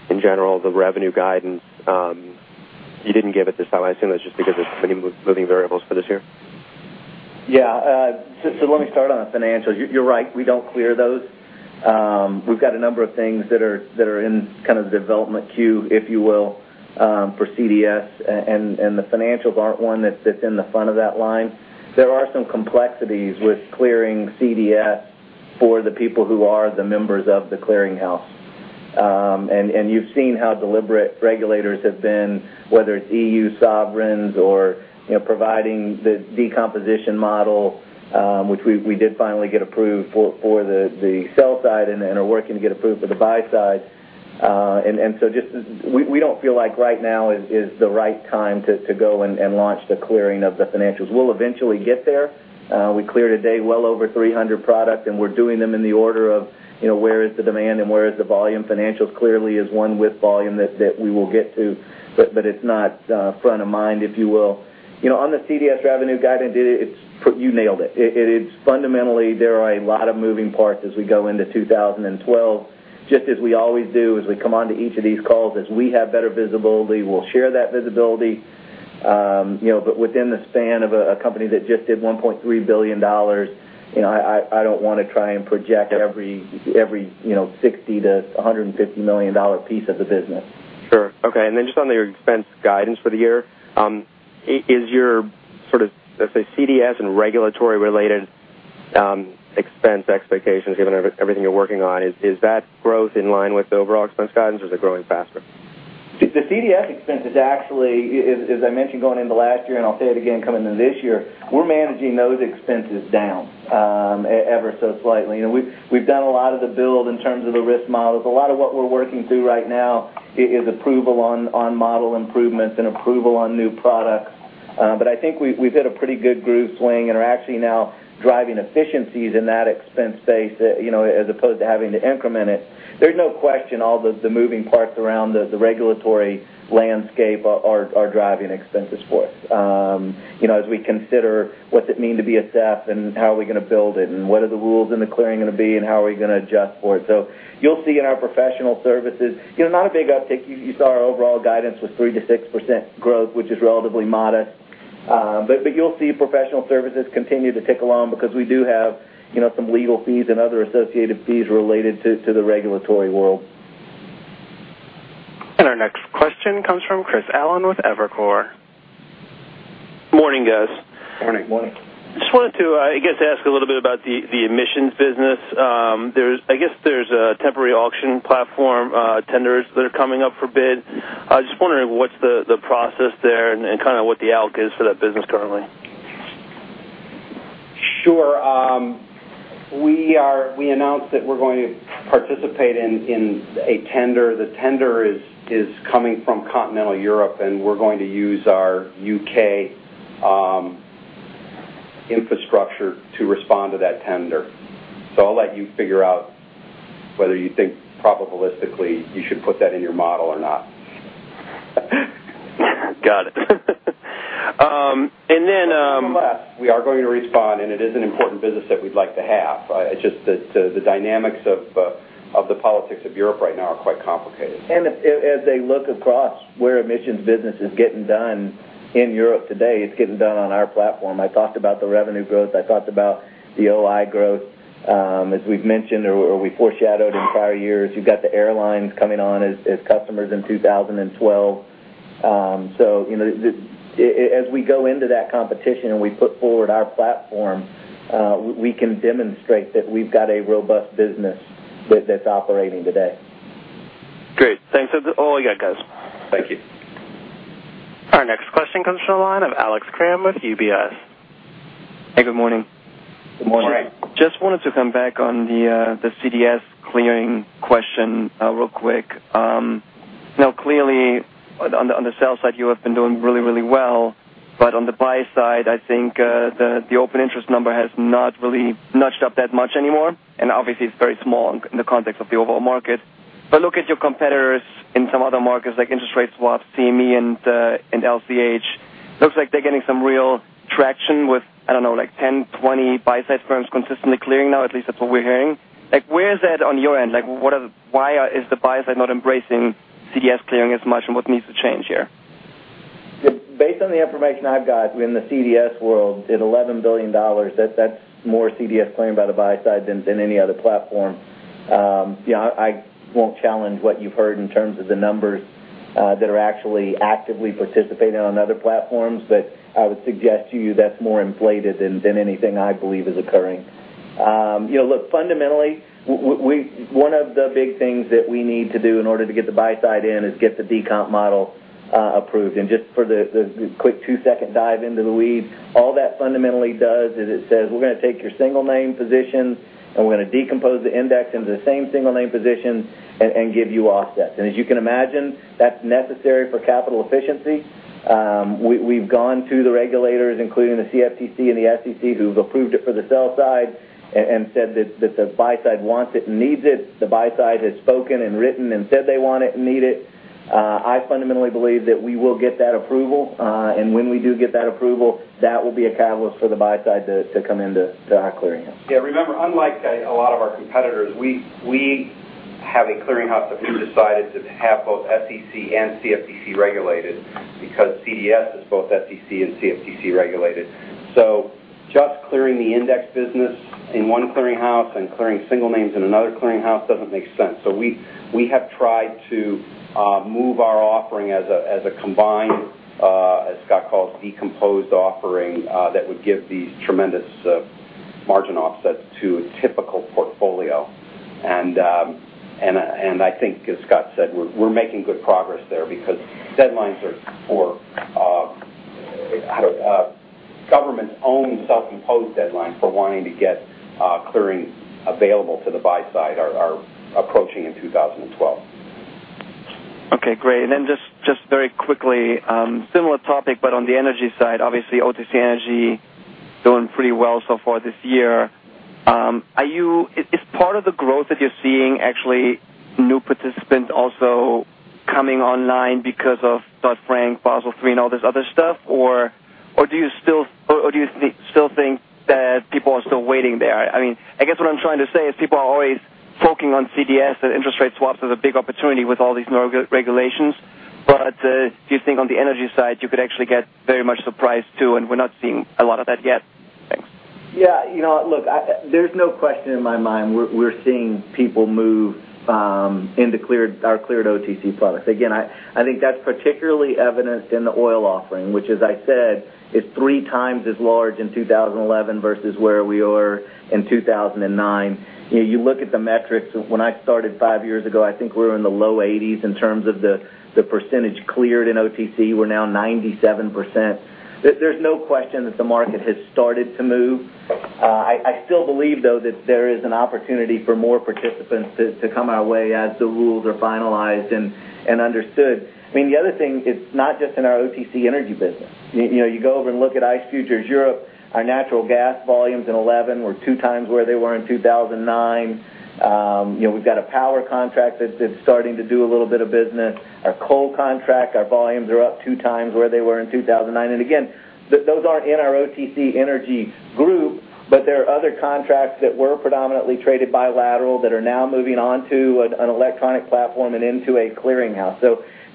in general, the revenue guidance, you didn't give it this time. I assume that's just because there's so many moving variables for this year. Yeah, let me start on the financials. You're right, we don't clear those. We've got a number of things that are in kind of the development queue, if you will, for CDS. The financials aren't one that sits in the front of that line. There are some complexities with clearing CDS for the people who are the members of the clearinghouse. You've seen how deliberate regulators have been, whether it's EU sovereigns or providing the decomposition model, which we did finally get approved for the sell side and are working to get approved for the buy side. We don't feel like right now is the right time to go and launch the clearing of the financials. We'll eventually get there. We cleared a day well over 300 products, and we're doing them in the order of, you know, where is the demand and where is the volume? Financials clearly is one with volume that we will get to, but it's not front of mind, if you will. On the CDS revenue guidance, you nailed it. It's fundamentally, there are a lot of moving parts as we go into 2012. Just as we always do, as we come onto each of these calls, as we have better visibility, we'll share that visibility. Within the span of a company that just did $1.3 billion, I don't want to try and project every $60-$150 million piece of the business. Sure. OK, and then just on the expense guidance for the year, is your sort of, let's say, CDS and regulatory-related expense expectations, given everything you're working on, is that growth in line with the overall expense guidance, or is it growing faster? The CDS expense is actually, as I mentioned going into last year, and I'll say it again coming into this year, we're managing those expenses down ever so slightly. We've done a lot of the build in terms of the risk models. A lot of what we're working through right now is approval on model improvements and approval on new products. I think we've hit a pretty good groove swing and are actually now driving efficiencies in that expense space, as opposed to having to increment it. There's no question all the moving parts around the regulatory landscape are driving expenses forth. As we consider what's it mean to be a SEP and how are we going to build it and what are the rules in the clearing going to be and how are we going to adjust for it. You'll see in our professional services, not a big uptake. You saw our overall guidance was 3%-6% growth, which is relatively modest. You'll see professional services continue to tick along because we do have some legal fees and other associated fees related to the regulatory world. Our next question comes from Chris Allen with Evercore. Morning, guys. Morning. Morning. I just wanted to ask a little bit about the emissions business. There's a temporary auction platform tenders that are coming up for bid. I was just wondering what's the process there and what the outlook is for that business currently. Sure. We announced that we're going to participate in a tender. The tender is coming from Continental Europe, and we're going to use our U.K. infrastructure to respond to that tender. I'll let you figure out whether you think probabilistically you should put that in your model or not. Got it. Plus, we are going to respond, and it is an important business that we'd like to have. It's just the dynamics of the politics of Europe right now are quite complicated. As they look across where Environmental Business is getting done in Europe today, it's getting done on our platform. I talked about the revenue growth. I talked about the OI growth. As we've mentioned or we foreshadowed in prior years, you've got the airlines coming on as customers in 2012. As we go into that competition and we put forward our platform, we can demonstrate that we've got a robust business with this operating today. Great. Thanks. That's all I got, guys. Thank you. Our next question comes from the line of Alex Kramm with UBS. Hey, good morning. Good morning. All right. Just wanted to come back on the CDS clearing question real quick. Now, clearly, on the sell side, you have been doing really, really well. On the buy side, I think the open interest number has not really nudged up that much anymore. Obviously, it's very small in the context of the overall market. Look at your competitors in some other markets, like Interstate Swap, CME, and LCH. Looks like they're getting some real traction with, I don't know, like 10, 20 buy-side firms consistently clearing now. At least that's what we're hearing. Where is that on your end? Why is the buy-side not embracing CDS clearing as much, and what needs to change here? Yeah. Based on the information I've got in the CDS world, it's $11 billion. That's more CDS clearing by the buy-side than any other platform. I won't challenge what you've heard in terms of the numbers that are actually actively participating on other platforms, but I would suggest to you that's more inflated than anything I believe is occurring. Look, fundamentally, one of the big things that we need to do in order to get the buy-side in is get the decon model approved. Just for the quick two-second dive into the weeds, all that fundamentally does is it says we're going to take your single name position, and we're going to decompose the index into the same single name position and give you offsets. As you can imagine, that's necessary for capital efficiency. We've gone to the regulators, including the CFTC and the SEC, who've approved it for the sell side and said that the buy-side wants it and needs it. The buy-side has spoken and written and said they want it and need it. I fundamentally believe that we will get that approval. When we do get that approval, that will be a catalyst for the buy-side to come into our clearing house. Yeah, remember, unlike a lot of our competitors, we have a clearinghouse that we've decided to have both SEC and CFTC regulated because CDS is both SEC and CFTC regulated. Just clearing the Index Business in one clearinghouse and clearing single names in another clearinghouse doesn't make sense. We have tried to move our offering as a combined, as Scott calls, decomposed offering that would give these tremendous margin offsets to a typical portfolio. I think, as Scott said, we're making good progress there because deadlines are for government-owned self-imposed deadlines for wanting to get clearing available to the buy-side are approaching in 2012. OK, great. And then just very quickly, similar topic, but on the energy side, obviously, OTC Energy doing pretty well so far this year. Is part of the growth that you're seeing actually new participants also coming online because of Dodd-Frank, Basel III, and all this other stuff? Or do you still think that people are still waiting there? I mean, I guess what I'm trying to say is people are always focusing on CDS and interest rate swaps as a big opportunity with all these new regulations. Do you think on the energy side, you could actually get very much surprised too, and we're not seeing a lot of that yet? Thanks. Yeah, you know, look, there's no question in my mind we're seeing people move into our cleared OTC products. I think that's particularly evidenced in the oil offering, which, as I said, is three times as large in 2011 versus where we were in 2009. You look at the metrics. When I started five years ago, I think we were in the low 80s in terms of the percentage cleared in OTC. We're now 97%. There's no question that the market has started to move. I still believe, though, that there is an opportunity for more participants to come our way as the rules are finalized and understood. The other thing, it's not just in our OTC energy business. You go over and look at ICE Futures Europe, our natural gas volumes in 2011 were two times where they were in 2009. We've got a power contract that's starting to do a little bit of business. Our coal contract, our volumes are up two times where they were in 2009. Those aren't in our OTC energy group, but there are other contracts that were predominantly traded bilateral that are now moving onto an electronic platform and into a clearinghouse.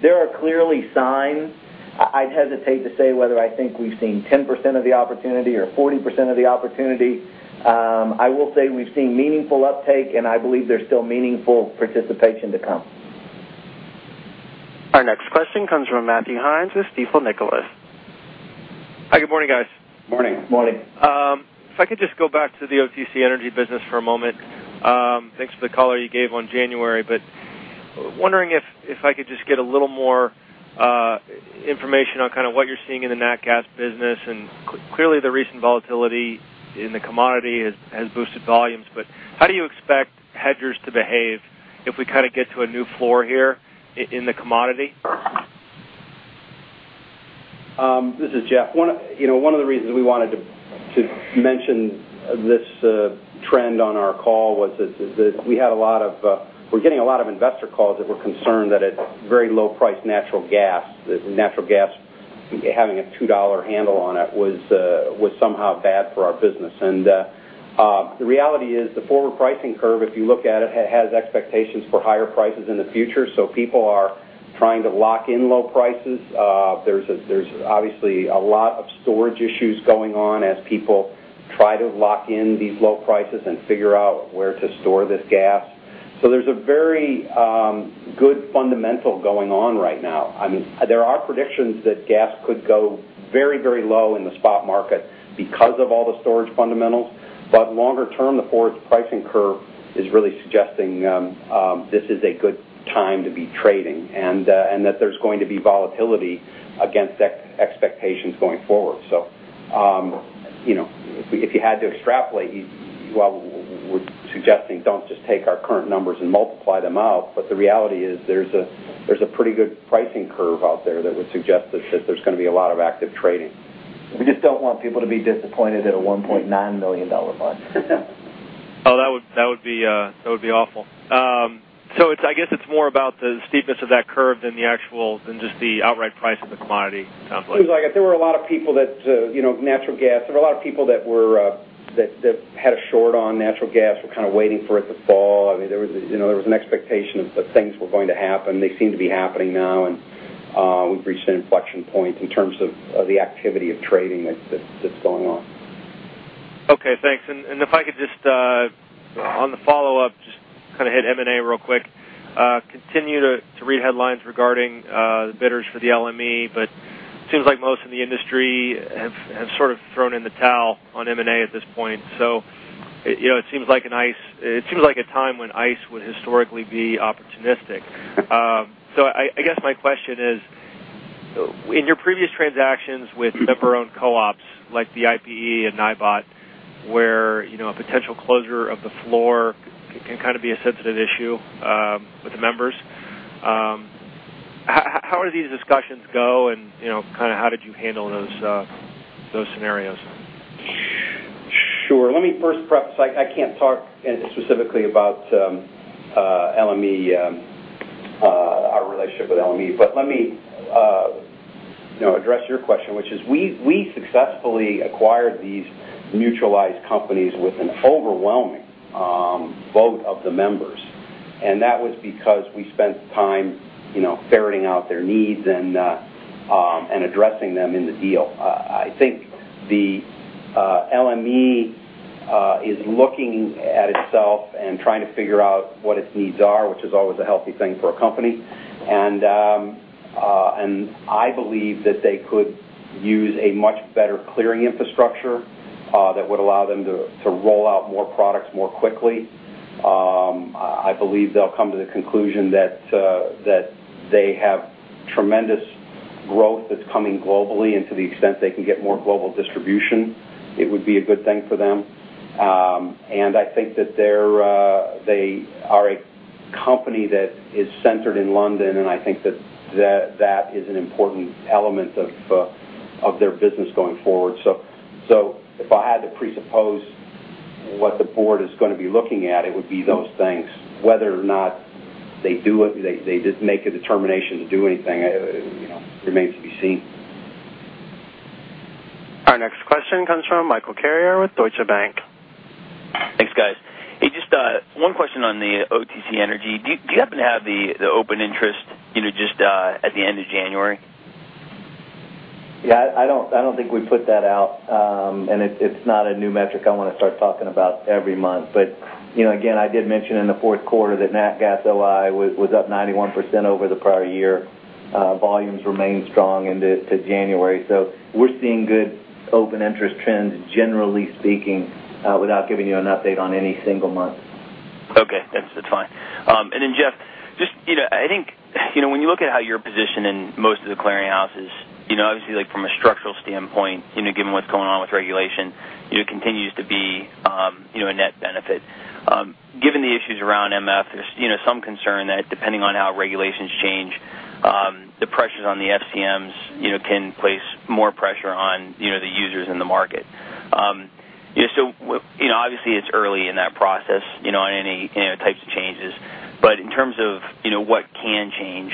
There are clearly signs. I'd hesitate to say whether I think we've seen 10% of the opportunity or 40% of the opportunity. I will say we've seen meaningful uptake, and I believe there's still meaningful participation to come. Our next question comes from Matthew Hinez with Stifel Nicolaus. Hi, good morning, guys. Morning. Morning. If I could just go back to the OTC energy business for a moment. Thanks for the color you gave on January. I was wondering if I could just get a little more information on kind of what you're seeing in the Natural Gas business. Clearly, the recent volatility in the commodity has boosted volumes. How do you expect hedgers to behave if we kind of get to a new floor here in the commodity? This is Jeff. One of the reasons we wanted to mention this trend on our call was that we had a lot of, we're getting a lot of investor calls that were concerned that at very low-priced natural gas, the natural gas having a $2 handle on it was somehow bad for our business. The reality is the forward pricing curve, if you look at it, has expectations for higher prices in the future. People are trying to lock in low prices. There's obviously a lot of storage issues going on as people try to lock in these low prices and figure out where to store this gas. There's a very good fundamental going on right now. There are predictions that gas could go very, very low in the spot market because of all the storage fundamentals. Longer term, the forward pricing curve is really suggesting this is a good time to be trading and that there's going to be volatility against expectations going forward. If you had to extrapolate, we're suggesting don't just take our current numbers and multiply them out. The reality is there's a pretty good pricing curve out there that would suggest that there's going to be a lot of active trading. We just don't want people to be disappointed at a $1.9 million bond. Oh, that would be awful. I guess it's more about the steepness of that curve than just the outright price of the commodity complex. I think there were a lot of people that, you know, natural gas, there were a lot of people that had a short on natural gas, were kind of waiting for it to fall. There was an expectation that things were going to happen. They seem to be happening now, and we've reached an inflection point in terms of the activity of trading that's going on. OK, thanks. If I could just, on the follow-up, just kind of hit M&A real quick. Continue to read headlines regarding the bidders for the LME, but it seems like most in the industry have sort of thrown in the towel on M&A at this point. It seems like at ICE, it seems like a time when ICE would historically be opportunistic. I guess my question is, in your previous transactions with member-owned co-ops like the IPE and NYBOT, where a potential closure of the floor can kind of be a sensitive issue with the members, how did these discussions go? How did you handle those scenarios? Sure. Let me first prep, I can't talk specifically about our relationship with LME. Let me address your question, which is we successfully acquired these neutralized companies with an overwhelming vote of the members. That was because we spent time ferreting out their needs and addressing them in the deal. I think the LME is looking at itself and trying to figure out what its needs are, which is always a healthy thing for a company. I believe that they could use a much better clearing infrastructure that would allow them to roll out more products more quickly. I believe they'll come to the conclusion that they have tremendous growth that's coming globally. To the extent they can get more global distribution, it would be a good thing for them. I think that they are a company that is centered in London, and I think that is an important element of their business going forward. If I had to presuppose what the board is going to be looking at, it would be those things. Whether or not they do it, they did make a determination to do anything remains to be seen. Our next question comes from Michael Carrier with Deutsche Bank. Thanks, guys. Hey, just one question on the OTC energy. Do you happen to have the open interest, you know, just at the end of January? Yeah, I don't think we put that out. It's not a new metric I want to start talking about every month. I did mention in the fourth quarter that Natural Gas OI was up 91% over-the-prior year. Volumes remain strong into January. We're seeing good open interest trends, generally speaking, without giving you an update on any single month. OK, that's fine. Jeff, just, I think, when you look at how you're positioned in most of the clearinghouses, obviously, like from a structural standpoint, given what's going on with regulation, it continues to be a net benefit. Given the issues around MF, there's some concern that depending on how regulations change, the pressures on the FCMs can place more pressure on the users in the market. Obviously, it's early in that process on any types of changes. In terms of what can change,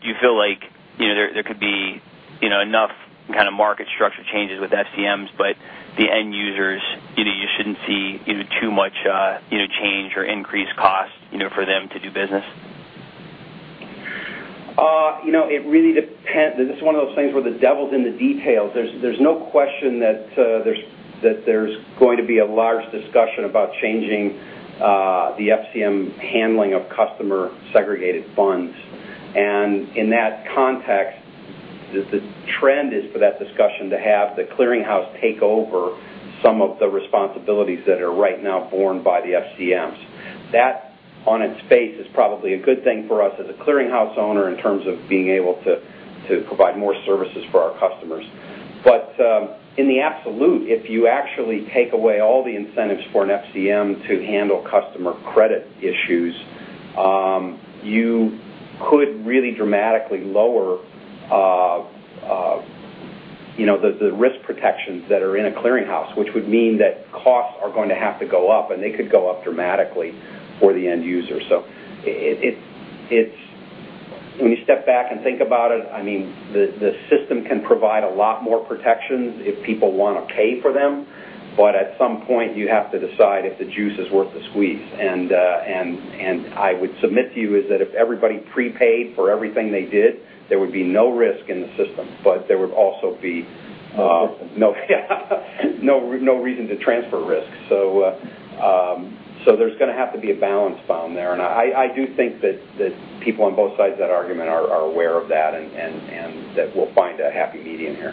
do you feel like there could be enough kind of market structure changes with FCMs, but the end users, you shouldn't see too much change or increased cost for them to do business? You know, it really depends. This is one of those things where the devil's in the details. There's no question that there's going to be a large discussion about changing the FCM handling of customer segregated funds. In that context, the trend is for that discussion to have the clearinghouse take over some of the responsibilities that are right now borne by the FCMs. That, on its face, is probably a good thing for us as a clearinghouse owner in terms of being able to provide more services for our customers. In the absolute, if you actually take away all the incentives for an FCM to handle customer credit issues, you could really dramatically lower the risk protections that are in a clearinghouse, which would mean that costs are going to have to go up. They could go up dramatically for the end user. When you step back and think about it, the system can provide a lot more protections if people want to pay for them. At some point, you have to decide if the juice is worth the squeeze. I would submit to you that if everybody prepaid for everything they did, there would be no risk in the system. There would also be no reason to transfer risks. There's going to have to be a balance found there. I do think that people on both sides of that argument are aware of that and that we'll find a happy median here.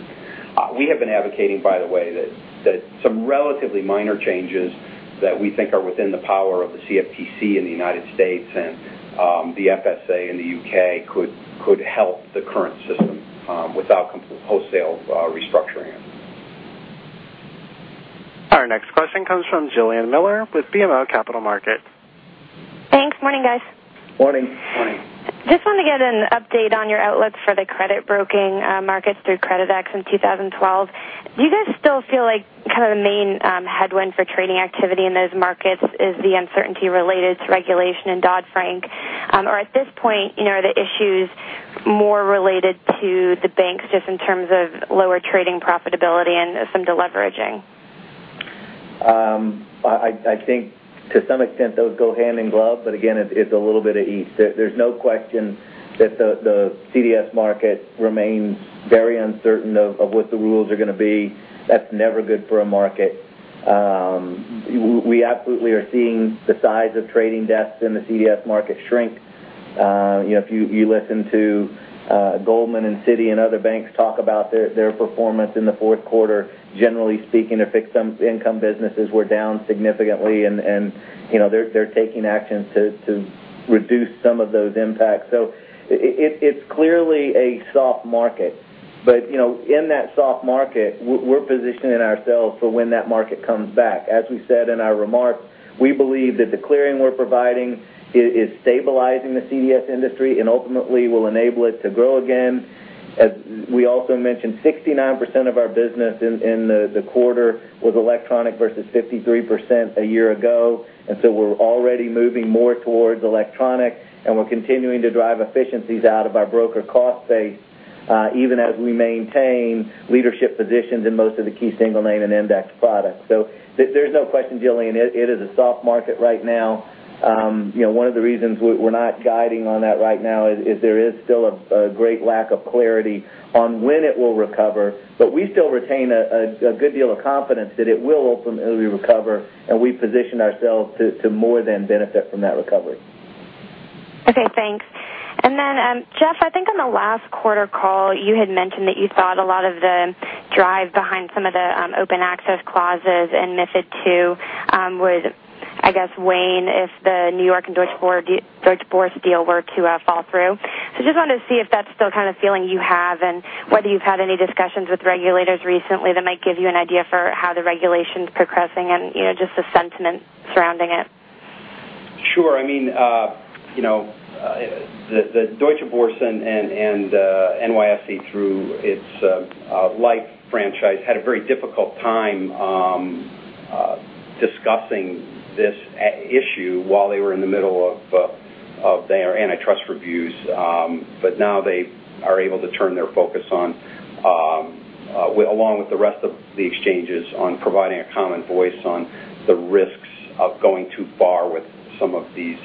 We have been advocating, by the way, that some relatively minor changes that we think are within the power of the CFTC in the U.S. and the FSA in the U.K. could help the current system without wholesale restructuring it. Our next question comes from Julia Miller with BMO Capital Markets. Thanks. Morning, guys. Morning. Morning. Just wanted to get an update on your outlook for the credit broking markets through Creditex in 2012. Do you guys still feel like kind of the main headwind for trading activity in those markets is the uncertainty related to regulation and Dodd-Frank? At this point, you know, are the issues more related to the banks just in terms of lower trading profitability and some deleveraging? I think to some extent those go hand in glove. Again, it's a little bit of each. There's no question that the CDS market remains very uncertain of what the rules are going to be. That's never good for a market. We absolutely are seeing the size of trading desks in the CDS market shrink. If you listen to Goldman and Citi and other banks talk about their performance in the fourth quarter, generally speaking, the fixed income businesses were down significantly. They're taking actions to reduce some of those impacts. It's clearly a soft market. In that soft market, we're positioning ourselves for when that market comes back. As we said in our remarks, we believe that the clearing we're providing is stabilizing the CDS industry and ultimately will enable it to grow again. We also mentioned 69% of our business in the quarter was electronic versus 53% a year ago. We're already moving more towards electronic, and we're continuing to drive efficiencies out of our broker cost base, even as we maintain leadership positions in most of the key single name and index products. There's no question, Jillian, it is a soft market right now. One of the reasons we're not guiding on that right now is there is still a great lack of clarity on when it will recover. We still retain a good deal of confidence that it will ultimately recover, and we position ourselves to more than benefit from that recovery. OK, thanks. Jeff, I think on the last quarter call, you had mentioned that you thought a lot of the drive behind some of the open access clauses and MiFID II would, I guess, wane if the New York and Deutsche Börse deal were to fall through. I just wanted to see if that's still kind of a feeling you have and whether you've had any discussions with regulators recently that might give you an idea for how the regulation is progressing and, you know, just the sentiment surrounding it. Sure. The Deutsche Börse and NYSE through its LIFFE franchise had a very difficult time discussing this issue while they were in the middle of their antitrust reviews. Now they are able to turn their focus on, along with the rest of the exchanges, providing a common voice on the risks of going too far with some of these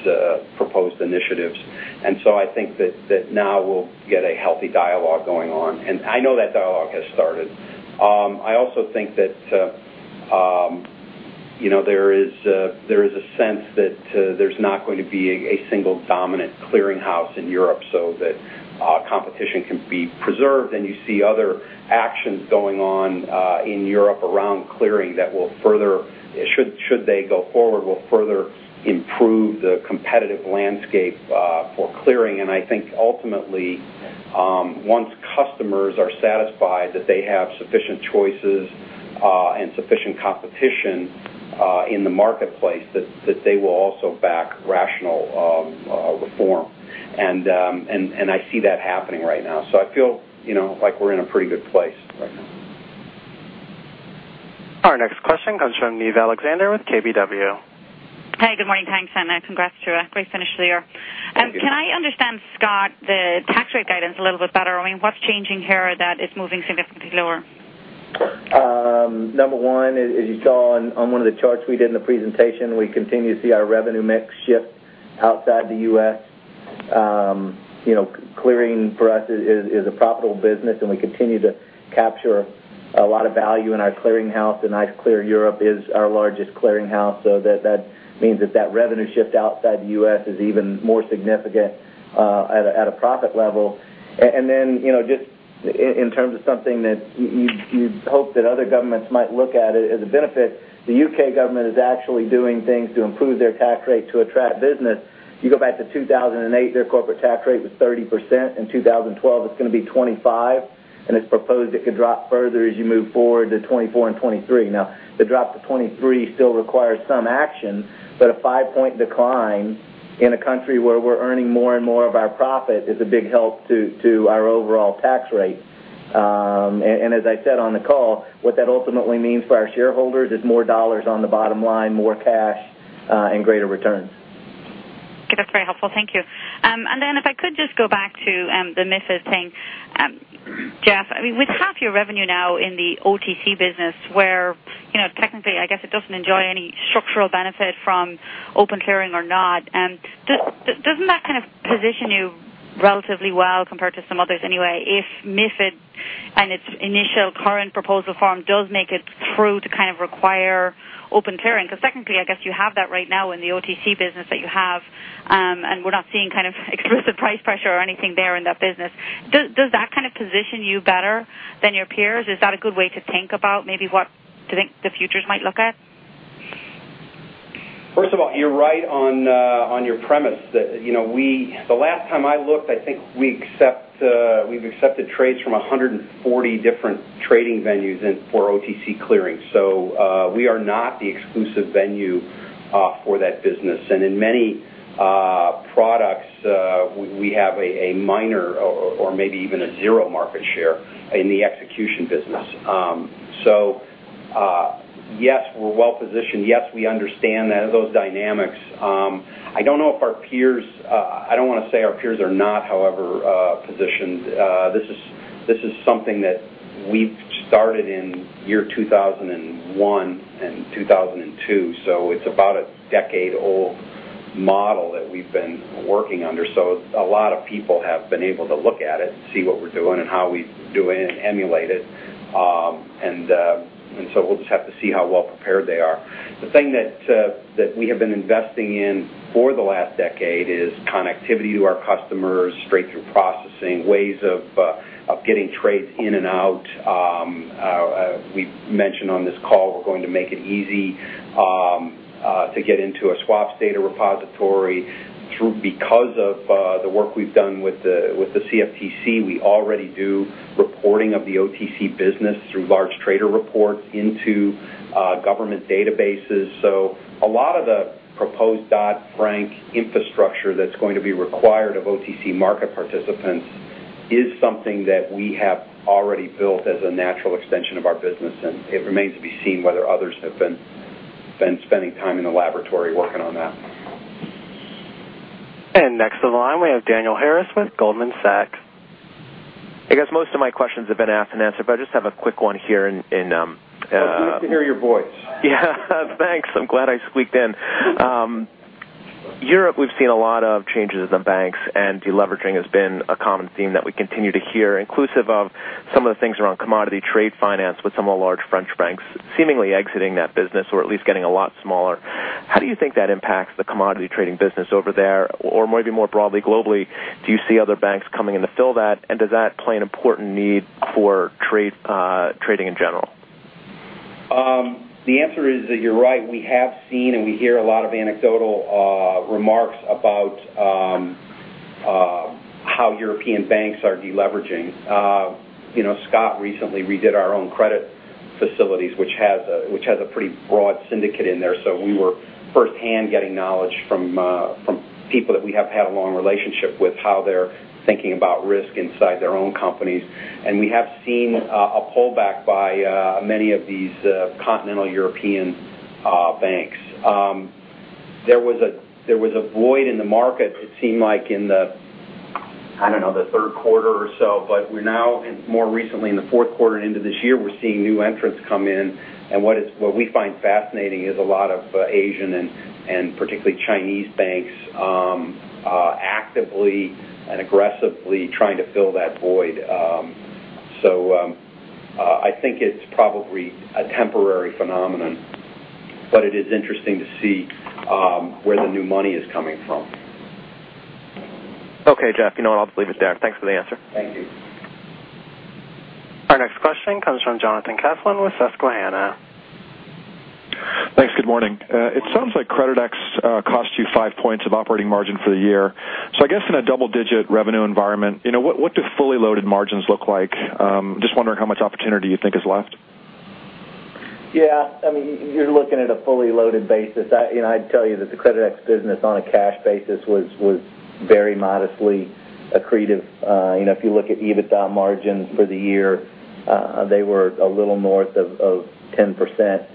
proposed initiatives. I think that now we'll get a healthy dialogue going on. I know that dialogue has started. I also think that there is a sense that there's not going to be a single dominant clearinghouse in Europe so that competition can be preserved. You see other actions going on in Europe around clearing that will further, should they go forward, improve the competitive landscape for clearing. I think ultimately, once customers are satisfied that they have sufficient choices and sufficient competition in the marketplace, they will also back rational reform. I see that happening right now. I feel like we're in a pretty good place right now. Our next question comes from Niamh Alexander with KBW. Hey, good morning. Thanks, and congrats to a brief finish to the year. Can I understand, Scott, the tax rate guidance a little bit better? I mean, what's changing here that it's moving significantly lower? Number one, as you saw on one of the charts we did in the presentation, we continue to see our revenue mix shift outside the U.S. You know, clearing for us is a profitable business, and we continue to capture a lot of value in our clearinghouse. ICE Clear Europe is our largest clearinghouse. That means that that revenue shift outside the U.S. is even more significant at a profit level. In terms of something that you'd hope that other governments might look at as a benefit, the U.K. government is actually doing things to improve their tax rate to attract business. You go back to 2008, their corporate tax rate was 30%. In 2012, it's going to be 25%. It's proposed it could drop further as you move forward to 24% and 23%. The drop to 23% still requires some action. A five-point decline in a country where we're earning more and more of our profit is a big help to our overall tax rate. As I said on the call, what that ultimately means for our shareholders is more dollars on the bottom line, more cash, and greater returns. That's very helpful. Thank you. If I could just go back to the MiFID thing, Jeff, with half your revenue now in the OTC business, where, technically, I guess it doesn't enjoy any structural benefit from open clearing or not, doesn't that kind of position you relatively well compared to some others anyway if MiFID and its initial current proposal form does make it through to kind of require open clearing? Technically, I guess you have that right now in the OTC business that you have, and we're not seeing explicit price pressure or anything there in that business. Does that kind of position you better than your peers? Is that a good way to think about maybe what the futures might look at? First of all, you're right on your premise that, you know, the last time I looked, I think we've accepted trades from 140 different trading venues for OTC clearing. We are not the exclusive venue for that business. In many products, we have a much. Or maybe even a zero market share in the execution business. Yes, we're well positioned. Yes, we understand those dynamics. I don't know if our peers, I don't want to say our peers are not, however, positioned. This is something that we started in year 2001 and 2002. It's about a decade old model that we've been working under. A lot of people have been able to look at it, see what we're doing and how we do it and emulate it. We'll just have to see how well prepared they are. The thing that we have been investing in for the last decade is connectivity to our customers, straight through processing, ways of getting trades in and out. We mentioned on this call we're going to make it easy to get into a swap data repository because of the work we've done with the CFTC. We already do reporting of the OTC business through large trader reports into government databases. A lot of the proposed Dodd-Frank infrastructure that's going to be required of OTC market participants is something that we have already built as a natural extension of our business. It remains to be seen whether others have been spending time in the laboratory working on that. Next on the line, we have Daniel Harris with Goldman Sachs. I guess most of my questions have been asked and answered, but I just have a quick one here. Good to hear your voice. Yeah, thanks. I'm glad I squeaked in. Europe, we've seen a lot of changes in the banks and deleveraging has been a common theme that we continue to hear, inclusive of some of the things around commodity trade finance with some of the large French banks seemingly exiting that business or at least getting a lot smaller. How do you think that impacts the commodity trading business over there or maybe more broadly globally? Do you see other banks coming in to fill that? Does that play an important need for trade, trading in general? The answer is that you're right. We have seen and we hear a lot of anecdotal remarks about how European banks are deleveraging. You know, Scott recently redid our own credit facilities, which has a pretty broad syndicate in there. We were firsthand getting knowledge from people that we have had a long relationship with, how they're thinking about risk inside their own companies. We have seen a pullback by many of these continental European banks. There was a void in the market. It seemed like in the, I don't know, the third quarter or so, but now more recently in the fourth quarter into this year, we're seeing new entrants come in. What we find fascinating is a lot of Asian and particularly Chinese banks actively and aggressively trying to fill that void. I think it's probably a temporary phenomenon, but it is interesting to see where the new money is coming from. Okay, Jeff, you know what? I'll leave it there. Thanks for the answer. Thank you. Our next question comes from Johnathan Short with Susquehanna. Thanks. Good morning. It sounds like Creditex costs you five points of operating margin for the year. In a double-digit revenue environment, what do fully loaded margins look like? I'm just wondering how much opportunity you think is left. Yeah, I mean, you're looking at a fully loaded basis. I'd tell you that the Creditex business on a cash basis was very modestly accretive. You know, if you look at EBITDA margin for the year, they were a little north of 10%.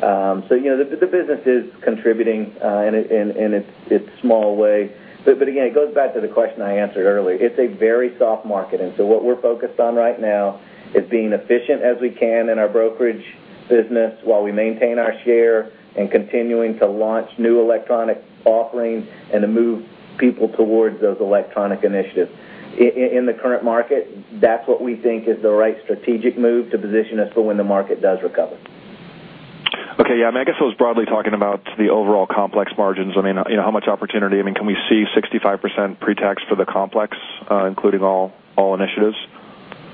The business is contributing in its small way. It goes back to the question I answered earlier. It's a very soft market. What we're focused on right now is being efficient as we can in our brokerage business while we maintain our share and continuing to launch new electronic offerings and to move people towards those electronic initiatives. In the current market, that's what we think is the right strategic move to position us for when the market does recover. Okay. Yeah. I mean, I guess I was broadly talking about the overall complex margins. I mean, you know, how much opportunity? I mean, can we see 65% pre-tax for the complex, including all, all initiatives?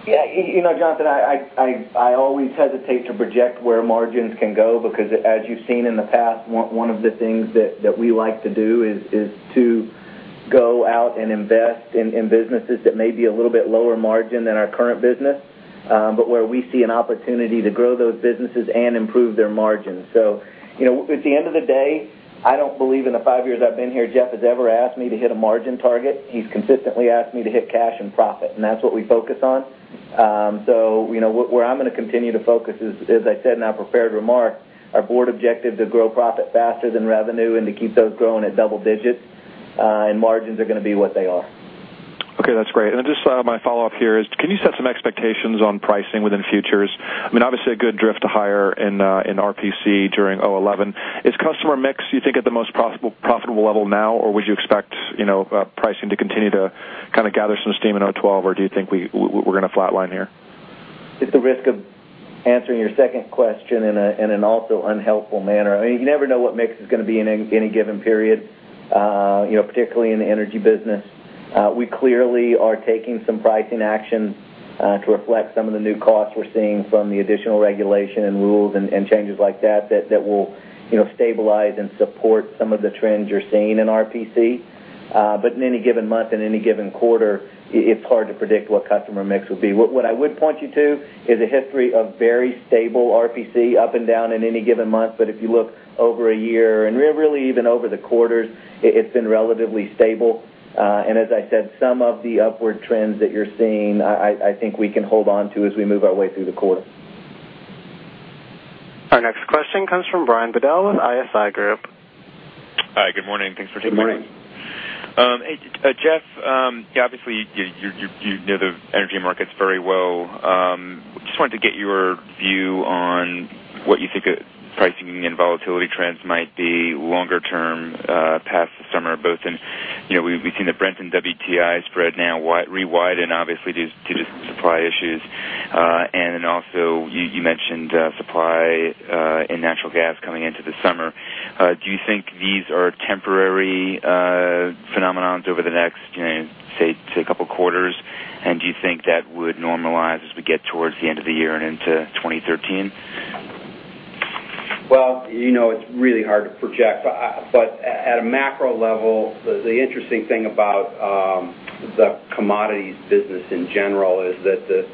Yeah, you know, Johnathan, I always hesitate to project where margins can go because as you've seen in the past, one of the things that we like to do is to go out and invest in businesses that may be a little bit lower margin than our current business, but where we see an opportunity to grow those businesses and improve their margins. At the end of the day, I don't believe in the five years I've been here, Jeff has ever asked me to hit a margin target. He's consistently asked me to hit cash and profit, and that's what we focus on. What I'm going to continue to focus is, as I said in our prepared remark, our board objective to grow profit faster than revenue and to keep those growing at double digits, and margins are going to be what they are. Okay, that's great. My follow-up here is, can you set some expectations on pricing within futures? Obviously, a good drift to higher in RPC during 2011. Is customer mix, you think, at the most profitable level now, or would you expect pricing to continue to kind of gather some steam in 2012, or do you think we're going to flatline here? At the risk of answering your second question in an also unhelpful manner, you never know what mix is going to be in any given period, particularly in the energy business. We clearly are taking some pricing action to reflect some of the new costs we're seeing from the additional regulation and rules and changes like that, that will stabilize and support some of the trends you're seeing in RPC. In any given month, in any given quarter, it's hard to predict what customer mix would be. What I would point you to is a history of very stable RPC up and down in any given month. If you look over a year and really even over the quarters, it's been relatively stable. As I said, some of the upward trends that you're seeing, I think we can hold on to as we move our way through the quarter. Our next question comes from Brian Bedell with ISI Group. Hi, good morning. Thanks for taking the call. Good morning. Hey, Jeff, yeah, obviously you know the energy markets very well. I just wanted to get your view on what you think pricing and volatility trends might be longer term, past the summer. Both in, you know, we've seen the Brent and WTI spread now rewiden obviously due to supply issues, and then also you mentioned supply in natural gas coming into the summer. Do you think these are temporary phenomenons over the next, you know, say a couple of quarters? Do you think that would normalize as we get towards the end of the year and into 2013? It's really hard to project. At a macro level, the interesting thing about the commodities business in general is that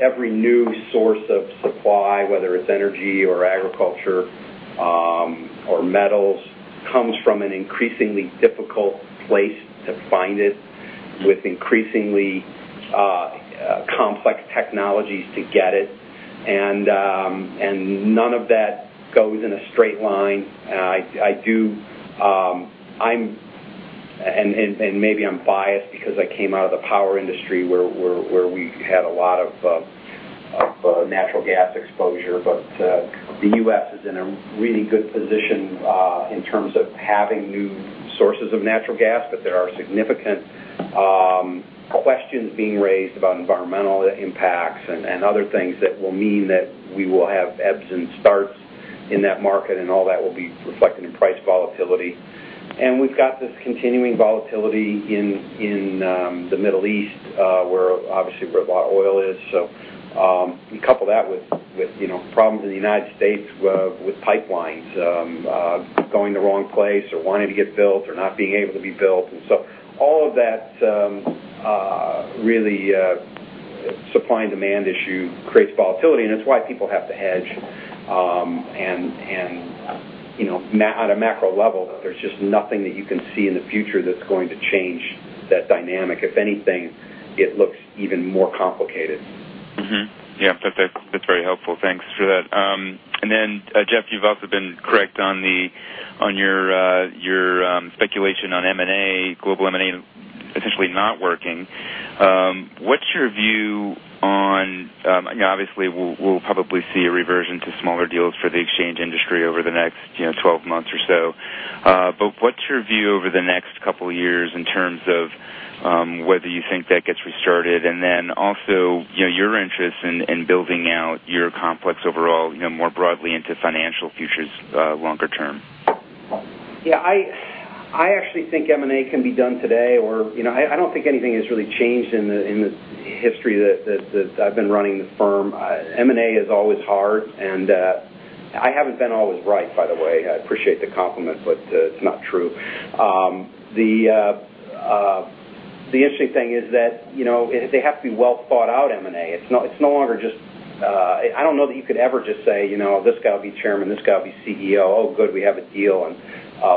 every new source of supply, whether it's energy or agriculture or metals, comes from an increasingly difficult place to find it with increasingly complex technologies to get it. None of that goes in a straight line. Maybe I'm biased because I came out of the power industry where we had a lot of natural gas exposure. The U.S. is in a really good position in terms of having new sources of natural gas, but there are significant questions being raised about environmental impacts and other things that will mean that we will have ebbs and starts in that market, and all that will be reflected in price volatility. We've got this continuing volatility in the Middle East, where obviously a lot of oil is. You couple that with problems in the United States with pipelines going the wrong place or wanting to get built or not being able to be built, and all of that supply and demand issue creates volatility. It's why people have to hedge, and not at a macro level, but there's just nothing that you can see in the future that's going to change that dynamic. If anything, it looks even more complicated. Mm-hmm. Yeah, that's very helpful. Thanks for that. Jeff, you've also been correct on your speculation on M&A, global M&A essentially not working. What's your view on, you know, obviously we'll probably see a reversion to smaller deals for the exchange industry over the next 12 months or so. What's your view over the next couple of years in terms of whether you think that gets restarted? Also, you know, your interest in building out your complex overall, more broadly into financial futures, longer term. Yeah, I actually think M&A can be done today or, you know, I don't think anything has really changed in the history that I've been running the firm. M&A is always hard and I haven't been always right, by the way. I appreciate the compliment, but it's not true. The interesting thing is that they have to be well thought out, M&A. It's not, it's no longer just, I don't know that you could ever just say, you know, this guy will be Chairman, this guy will be CEO. Oh, good, we have a deal and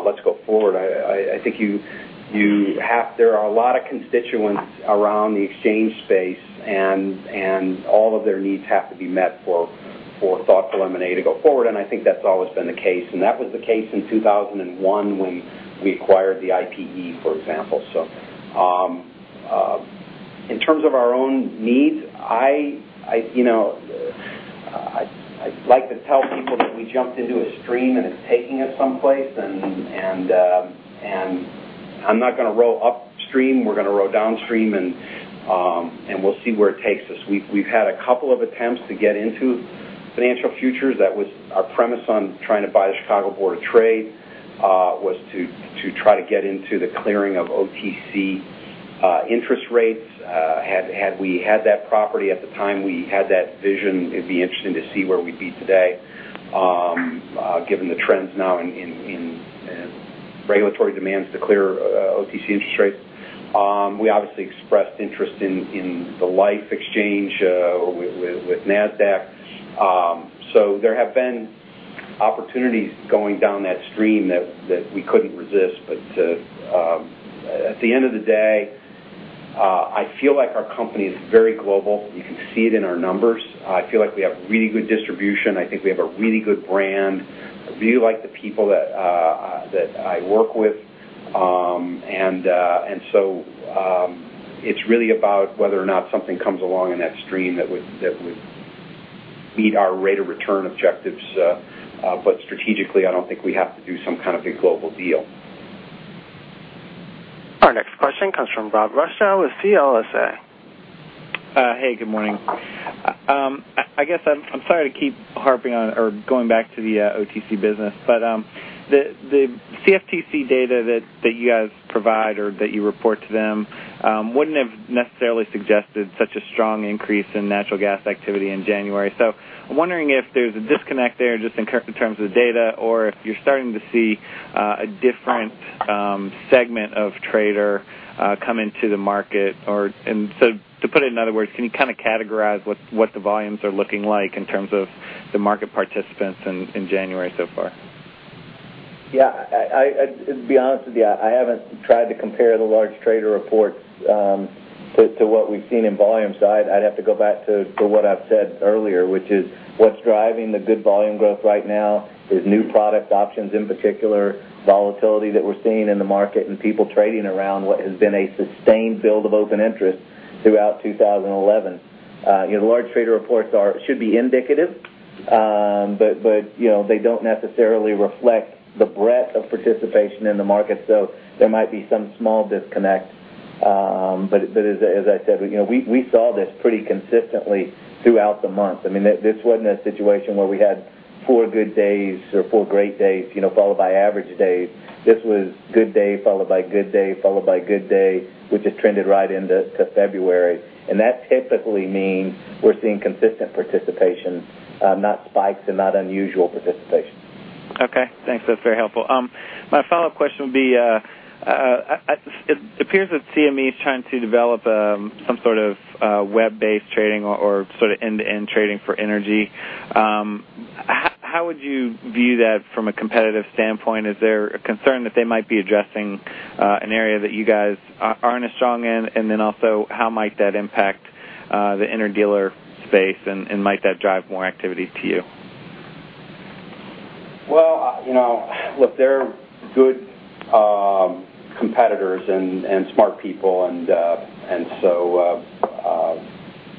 let's go forward. I think you have, there are a lot of constituents around the exchange space and all of their needs have to be met for thoughtful M&A to go forward. I think that's always been the case. That was the case in 2001 when we acquired the IPE, for example. In terms of our own needs, I'd like to tell people that we jumped into a stream and it's taking us someplace. I'm not going to row upstream, we're going to row downstream and we'll see where it takes us. We've had a couple of attempts to get into financial futures. That was our premise on trying to buy the Chicago Board of Trade, was to try to get into the clearing of OTC interest rates. Had we had that property at the time we had that vision, it'd be interesting to see where we'd be today, given the trends now in regulatory demands to clear OTC interest rates. We obviously expressed interest in the LIFFE Exchange, with Nasdaq. There have been opportunities going down that stream that we couldn't resist. At the end of the day, I feel like our company is very global. You can see it in our numbers. I feel like we have really good distribution. I think we have a really good brand. I really like the people that I work with, and so, it's really about whether or not something comes along in that stream that would meet our rate of return objectives. Strategically, I don't think we have to do some kind of big global deal. Our next question comes from Rob Rutschow with CLSA. Good morning. I'm sorry to keep harping on or going back to the OTC business, but the CFTC data that you guys provide or that you report to them wouldn't have necessarily suggested such a strong increase in Natural Gas activity in January. I'm wondering if there's a disconnect there just in terms of the data or if you're starting to see a different segment of trader come into the market. To put it in other words, can you kind of categorize what the volumes are looking like in terms of the market participants in January so far? Yeah, I'd be honest with you, I haven't tried to compare the large trader reports to what we've seen in volume. I'd have to go back to what I've said earlier, which is what's driving the good volume growth right now is new product options in particular, volatility that we're seeing in the market and people trading around what has been a sustained build of open interest throughout 2011. You know, the large trader reports should be indicative, but they don't necessarily reflect the breadth of participation in the market. There might be some small disconnect. As I said, we saw this pretty consistently throughout the month. I mean, this wasn't a situation where we had four good days or four great days followed by average days. This was a good day, followed by a good day, followed by a good day, which has trended right into February. That typically means we're seeing consistent participation, not spikes and not unusual participation. Okay, thanks. That's very helpful. My follow-up question would be, it appears that CME is trying to develop some sort of web-based trading or sort of end-to-end trading for energy. How would you view that from a competitive standpoint? Is there a concern that they might be addressing an area that you guys aren't as strong in? Also, how might that impact the interdealer space and might that drive more activity to you? They're good competitors and smart people.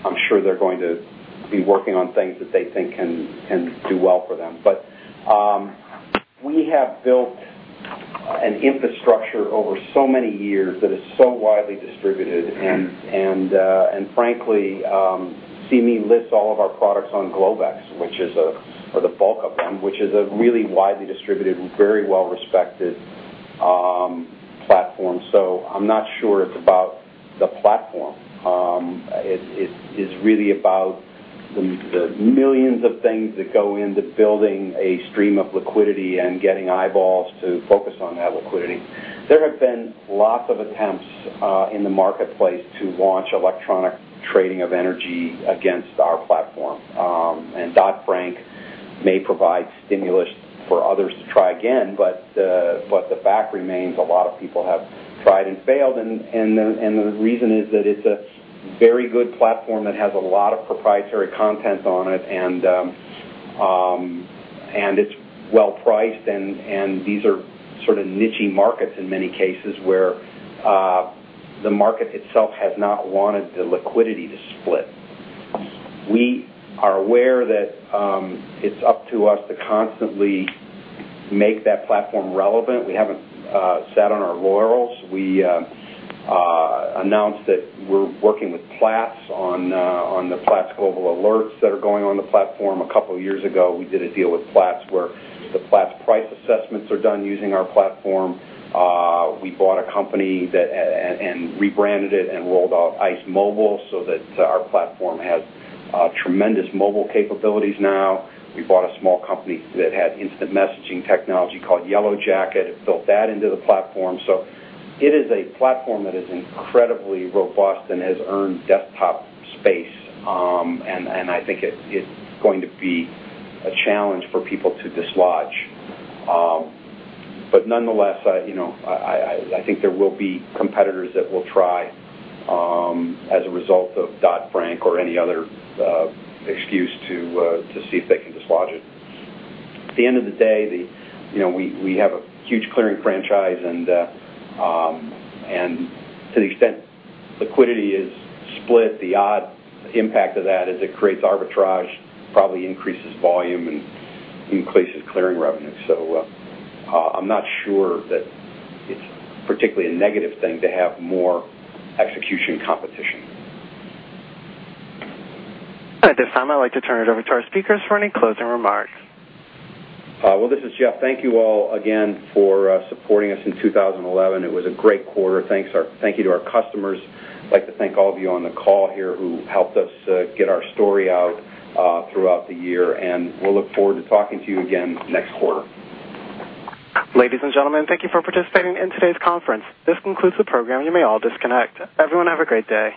I'm sure they're going to be working on things that they think can do well for them. We have built an infrastructure over so many years that is so widely distributed. Frankly, CME lists all of our products on Globex, or the bulk of them, which is a really widely distributed, very well-respected platform. I'm not sure it's about the platform. It's really about the millions of things that go into building a stream of liquidity and getting eyeballs to focus on that liquidity. There have been lots of attempts in the marketplace to launch electronic trading of energy against our platform. Dodd-Frank may provide stimulus for others to try again, but the fact remains a lot of people have tried and failed. The reason is that it's a very good platform that has a lot of proprietary content on it, and it's well priced. These are sort of niche markets in many cases where the market itself has not wanted the liquidity to split. We are aware that it's up to us to constantly make that platform relevant. We haven't sat on our laurels. We announced that we're working with Platts on the Platts Global Alerts that are going on the platform. A couple of years ago, we did a deal with Platts where the Platts price assessments are done using our platform. We bought a company and rebranded it and rolled out ICE Mobile so that our platform has tremendous mobile capabilities now. We bought a small company that had instant messaging technology called Yellow Jacket and built that into the platform. It is a platform that is incredibly robust and has earned desktop space. I think it's going to be a challenge for people to dislodge. Nonetheless, I think there will be competitors that will try, as a result of Dodd-Frank or any other excuse, to see if they can dislodge it. At the end of the day, we have a huge clearing franchise and to the extent liquidity is split, the odd impact of that is it creates arbitrage, probably increases volume and increases clearing revenue. I'm not sure that it's particularly a negative thing to have more execution competition. At this time, I'd like to turn it over to our speakers for any closing remarks. This is Jeff. Thank you all again for supporting us in 2011. It was a great quarter. Thank you to our customers. I'd like to thank all of you on the call here who helped us get our story out throughout the year. We'll look forward to talking to you again next quarter. Ladies and gentlemen, thank you for participating in today's conference. This concludes the program. You may all disconnect. Everyone, have a great day.